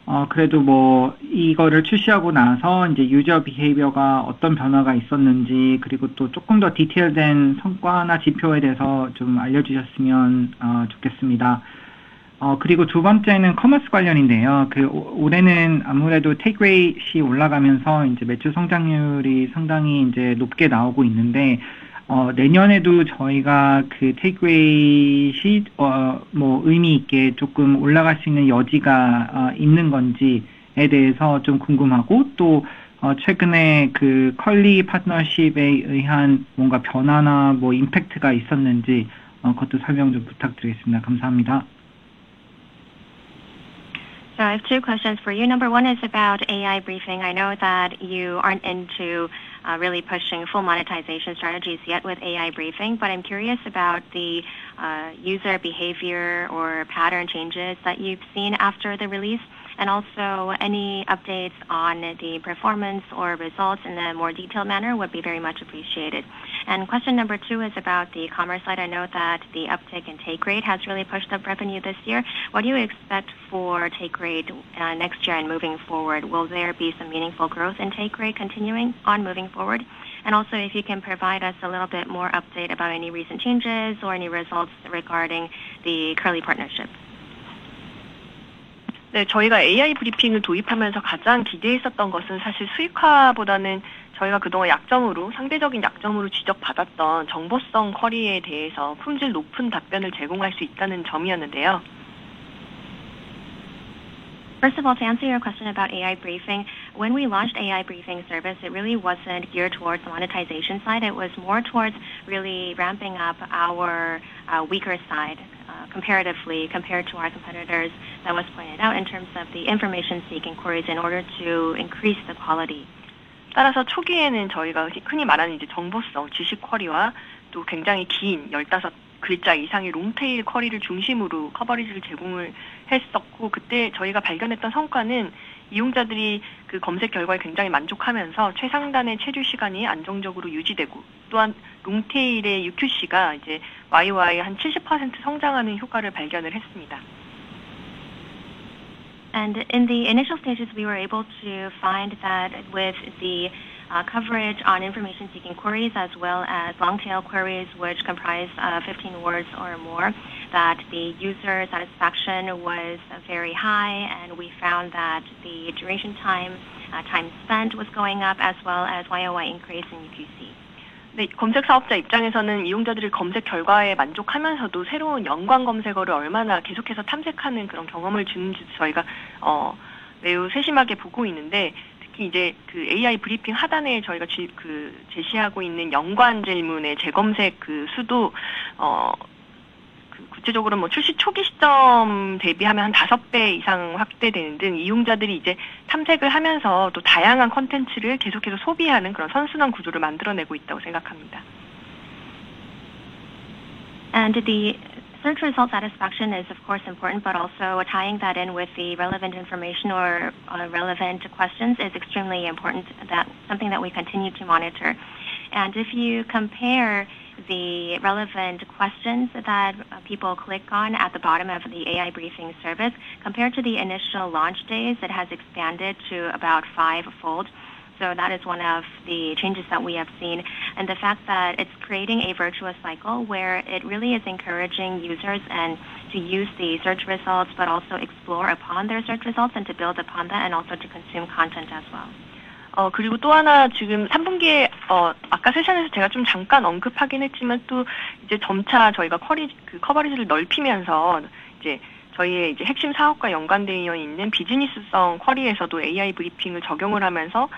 어 그래도 뭐 이거를 출시하고 나서 이제 user behavior가 어떤 변화가 있었는지, 그리고 또 조금 더 detailed 성과나 지표에 대해서 좀 알려주셨으면 좋겠습니다. 어 그리고 두 번째는 commerce 관련인데요. 그 올해는 아무래도 테이크 웨이 씨 올라가면서 이제 매출 성장률이 상당히 이제 높게 나오고 있는데, 어 내년에도 저희가 그 테이크 웨이 씨뭐 의미 있게 조금 올라갈 수 있는 여지가 있는 건지에 대해서 좀 궁금하고, 또어 최근에 그 컬리 파트너십에 의한 뭔가 변화나 뭐 임팩트가 있었는지 그것도 설명 좀 부탁드리겠습니다. 감사합니다. So I have two questions for you. Number one is about AI Briefing. I know that you aren't into really pushing full monetization strategies yet with AI Briefing, but I'm curious about the. User behavior or pattern changes that you've seen after the release, and also any updates on the performance or results in a more detailed manner would be very much appreciated. And question number two is about the commerce side. I know that the uptake and take rate has really pushed up revenue this year. What do you expect for take rate next year and moving forward? Will there be some meaningful growth in take rate continuing on moving forward? And also, if you can provide us a little bit more update about any recent changes or any results regarding the Kurly partnership. 네, 저희가 AI 브리핑을 도입하면서 가장 기대했었던 것은 사실 수익화보다는 저희가 그동안 약점으로 상대적인 약점으로 지적받았던 정보성 쿼리에 대해서 품질 높은 답변을 제공할 수 있다는 점이었는데요. First of all, to answer your question about AI Briefing, when we launched AI Briefing service, it really wasn't geared towards the monetization side. It was more towards really ramping up our weaker side comparatively compared to our competitors that was pointed out in terms of the information seeking queries in order to increase the quality. 따라서 초기에는 저희가 흔히 말하는 이제 정보성 지식 쿼리와 또 굉장히 긴 15글자 이상의 롱테일 쿼리를 중심으로 커버리지를 제공을 했었고, 그때 저희가 발견했던 성과는 이용자들이 그 검색 결과에 굉장히 만족하면서 최상단의 체류 시간이 안정적으로 유지되고, 또한 롱테일의 UGC가 이제 YoY 한 70% 성장하는 효과를 발견을 했습니다. And in the initial stages, we were able to find that with the coverage on information seeking queries as well as long-tail queries, which comprise 15 words or more, that the user satisfaction was very high, and we found that the time spent was going up as well as YoY increase in UGC. 네, 검색 사업자 입장에서는 이용자들이 검색 결과에 만족하면서도 새로운 연관 검색어를 얼마나 계속해서 탐색하는 그런 경험을 주는지 저희가 어 매우 세심하게 보고 있는데, 특히 이제 그 AI 브리핑 하단에 저희가 그 제시하고 있는 연관 질문의 재검색 그 수도 어. 그 구체적으로 뭐 출시 초기 시점 대비하면 한 5배 이상 확대되는 등 이용자들이 이제 탐색을 하면서 또 다양한 콘텐츠를 계속해서 소비하는 그런 선순환 구조를 만들어내고 있다고 생각합니다. And the search result satisfaction is, of course, important, but also tying that in with the relevant information or relevant questions is extremely important, something that we continue to monitor. And if you compare the relevant questions that people click on at the bottom of the AI Briefing service, compared to the initial launch days, it has expanded to about 5-fold. So that is one of the changes that we have seen, and the fact that it's creating a virtuous cycle where it really is encouraging users to use the search results, but also explore upon their search results and to build upon that, and also to consume content as well. 그리고 또 하나, 지금 3분기에 아까 세션에서 제가 좀 잠깐 언급하긴 했지만, 또 이제 점차 저희가 커버리지를 넓히면서 이제 저희의 이제 핵심 사업과 연관되어 있는 비즈니스성 쿼리에서도 AI Briefing을 적용을 하면서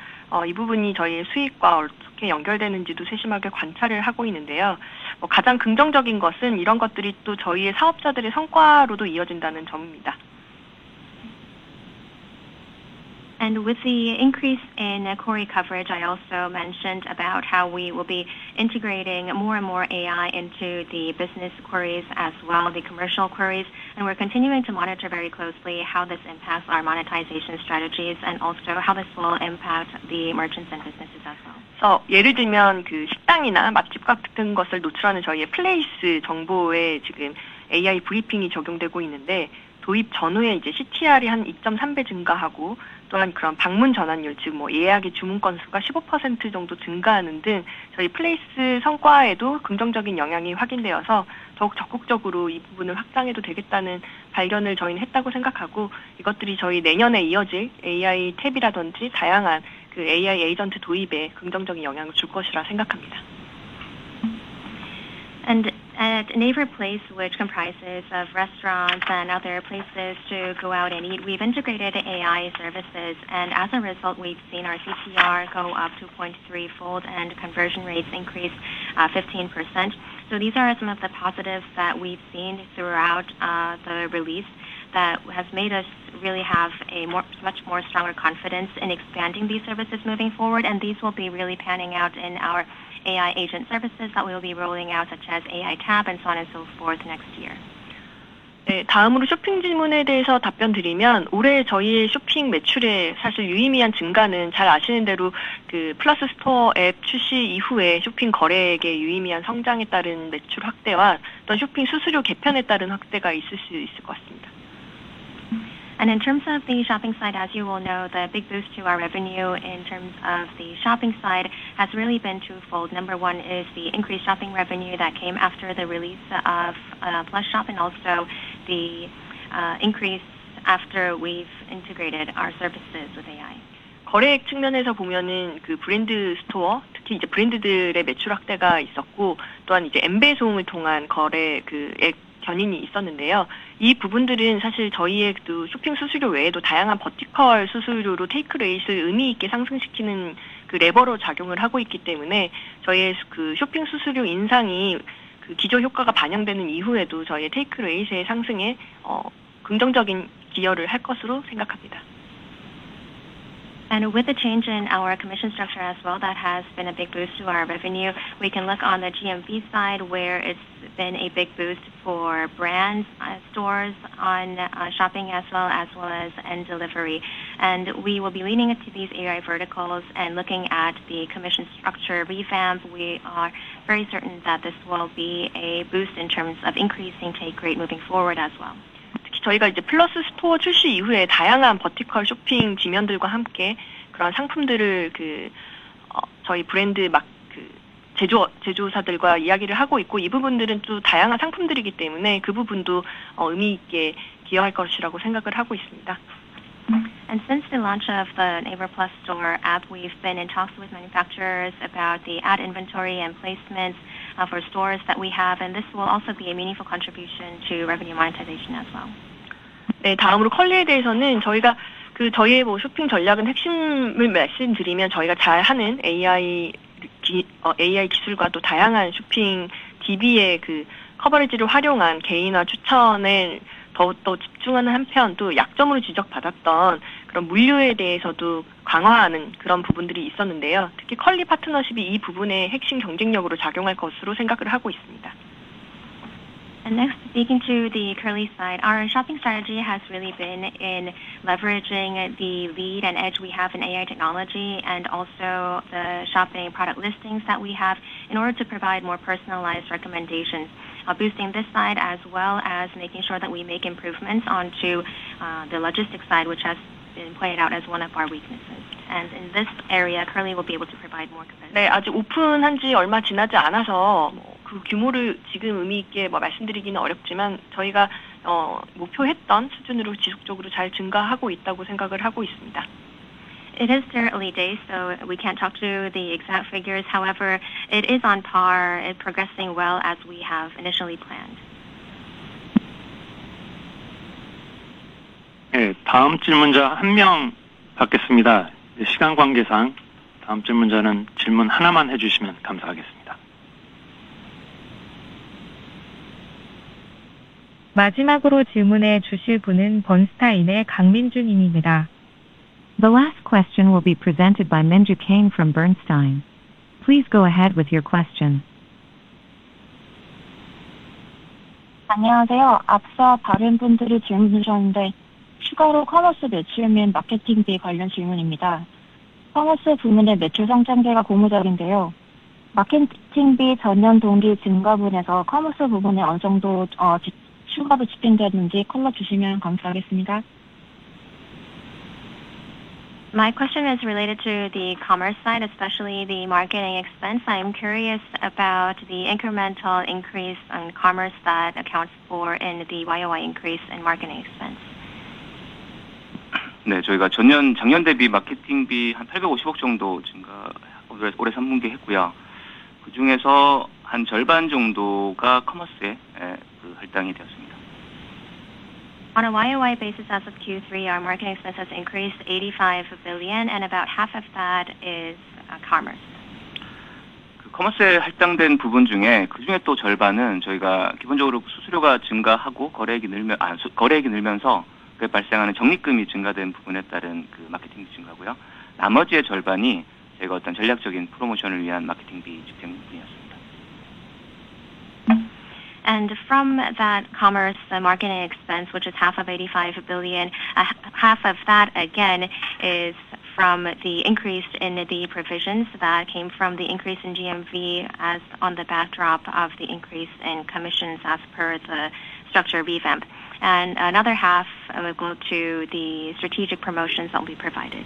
이 부분이 저희의 수익과 어떻게 연결되는지도 세심하게 관찰을 하고 있는데요. 가장 긍정적인 것은 이런 것들이 또 저희의 사업자들의 성과로도 이어진다는 점입니다. With the increase in query coverage, I also mentioned about how we will be integrating more and more AI into the business queries as well, the commercial queries, and we're continuing to monitor very closely how this impacts our monetization strategies and also how this will impact the merchants and businesses as well. 예를 들면 그 식당이나 맛집 같은 것을 노출하는 저희의 NAVER Place 정보에 지금 AI Briefing이 적용되고 있는데, 도입 전후에 이제 CTR이 한 2.3배 증가하고, 또한 그런 방문 전환율, 즉뭐 예약의 주문 건수가 15% 정도 증가하는 등 저희 NAVER Place 성과에도 긍정적인 영향이 확인되어서 더욱 적극적으로 이 부분을 확장해도 되겠다는 발견을 저희는 했다고 생각하고, 이것들이 저희 내년에 이어질 AI Tab이라든지 다양한 그 AI Agent 도입에 긍정적인 영향을 줄 것이라 생각합니다. At NAVER Place, which comprises restaurants and other places to go out and eat, we've integrated AI services, and as a result, we've seen our CTR go up 2.3-fold and conversion rates increase 15%. These are some of the positives that we've seen throughout the release that has made us really have a much more stronger confidence in expanding these services moving forward, and these will be really panning out in our AI agent services that we will be rolling out, such as AI Tab and so on and so forth next year. 네, 다음으로 쇼핑 질문에 대해서 답변드리면, 올해 저희의 쇼핑 매출에 사실 유의미한 증가는 잘 아시는 대로 그 Plus Store 앱 출시 이후에 쇼핑 거래액의 유의미한 성장에 따른 매출 확대와 어떤 쇼핑 수수료 개편에 따른 확대가 있을 수 있을 것 같습니다. In terms of the shopping side, as you will know, the big boost to our revenue in terms of the shopping side has really been twofold. Number one is the increased shopping revenue that came after the release of Plus Store and also the increase after we've integrated our services with AI. 거래액 측면에서 보면은 그 브랜드 스토어, 특히 이제 브랜드들의 매출 확대가 있었고, 또한 이제 엠베송을 통한 거래액 견인이 있었는데요. 이 부분들은 사실 저희의 그 쇼핑 수수료 외에도 다양한 버티컬 수수료로 테이크 레이스를 의미 있게 상승시키는 그 레버로 작용을 하고 있기 때문에 저희의 그 쇼핑 수수료 인상이 그 기저 효과가 반영되는 이후에도 저희의 테이크 레이스의 상승에 긍정적인 기여를 할 것으로 생각합니다. With the change in our commission structure as well, that has been a big boost to our revenue. We can look on the GMV side where it's been a big boost for brand stores on shopping as well as end delivery. And we will be leaning to these AI verticals and looking at the commission structure revamp. We are very certain that this will be a boost in terms of increasing take rate moving forward as well. 저희가 이제 플러스 스토어 출시 이후에 다양한 버티컬 쇼핑 지면들과 함께 그런 상품들을 그. 저희 브랜드 막그 제조사들과 이야기를 하고 있고, 이 부분들은 또 다양한 상품들이기 때문에 그 부분도 의미 있게 기여할 것이라고 생각을 하고 있습니다. And since the launch of the NAVER Plus Store app, we've been in talks with manufacturers about the ad inventory and placements for stores that we have, and this will also be a meaningful contribution to revenue monetization as well. 네, 다음으로 컬리에 대해서는 저희가 그 저희의 뭐 쇼핑 전략은 핵심을 말씀드리면 저희가 잘 하는 AI. 기술과 또 다양한 쇼핑 DB의 그 커버리지를 활용한 개인화 추천에 더욱더 집중하는 한편, 또 약점으로 지적받았던 그런 물류에 대해서도 강화하는 그런 부분들이 있었는데요. 특히 컬리 파트너십이 이 부분에 핵심 경쟁력으로 작용할 것으로 생각을 하고 있습니다. And next, speaking to the Kurly side, our shopping strategy has really been in leveraging the lead and edge we have in AI technology and also the shopping product listings that we have in order to provide more personalized recommendations, boosting this side as well as making sure that we make improvements onto the logistics side, which has been pointed out as one of our weaknesses. And in this area, Kurly will be able to provide more comprehensive. 네, 아직 오픈한 지 얼마 지나지 않아서 그 규모를 지금 의미 있게 말씀드리기는 어렵지만 저희가. 목표했던 수준으로 지속적으로 잘 증가하고 있다고 생각을 하고 있습니다. It is their early days, so we can't talk to the exact figures. However, it is on par, progressing well as we have initially planned. 네, 다음 질문자 한명 받겠습니다. 시간 관계상 다음 질문자는 질문 하나만 해주시면 감사하겠습니다. 마지막으로 질문해 주실 분은 Bernstein의 강민주 님입니다. The last question will be presented by Min-Joo Kang from Bernstein. Please go ahead with your question. 안녕하세요. 앞서 다른 분들이 질문 주셨는데, 추가로 커머스 매출 및 마케팅비 관련 질문입니다. 커머스 부문의 매출 성장세가 고무적인데요. 마케팅비 전년 동기 증가분에서 커머스 부문에 어느 정도. 추가로 집행되는지 알려 주시면 감사하겠습니다. My question is related to the commerce side, especially the marketing expense. I'm curious about the incremental increase on commerce that accounts for the YoY increase in marketing expense. 네, 저희가 전년 작년 대비 마케팅비 한 85 billion 정도 증가 올해 3분기에 했고요. 그중에서 한 절반 정도가 커머스에 할당이 되었습니다. On a YoY basis as of Q3, our marketing expense has increased 85 billion, and about half of that is commerce. 커머스에 할당된 부분 중에 그중에 또 절반은 저희가 기본적으로 수수료가 증가하고 거래액이 늘면서 거래액이 늘면서 그에 발생하는 적립금이 증가된 부분에 따른 마케팅비 증가고요. 나머지의 절반이 저희가 어떤 전략적인 프로모션을 위한 마케팅비 집행분이었습니다. And from that commerce marketing expense, which is half of 85 billion, half of that again is from the increase in the provisions that came from the increase in GMV as on the backdrop of the increase in commissions as per the structure revamp. And another half will go to the strategic promotions that will be provided.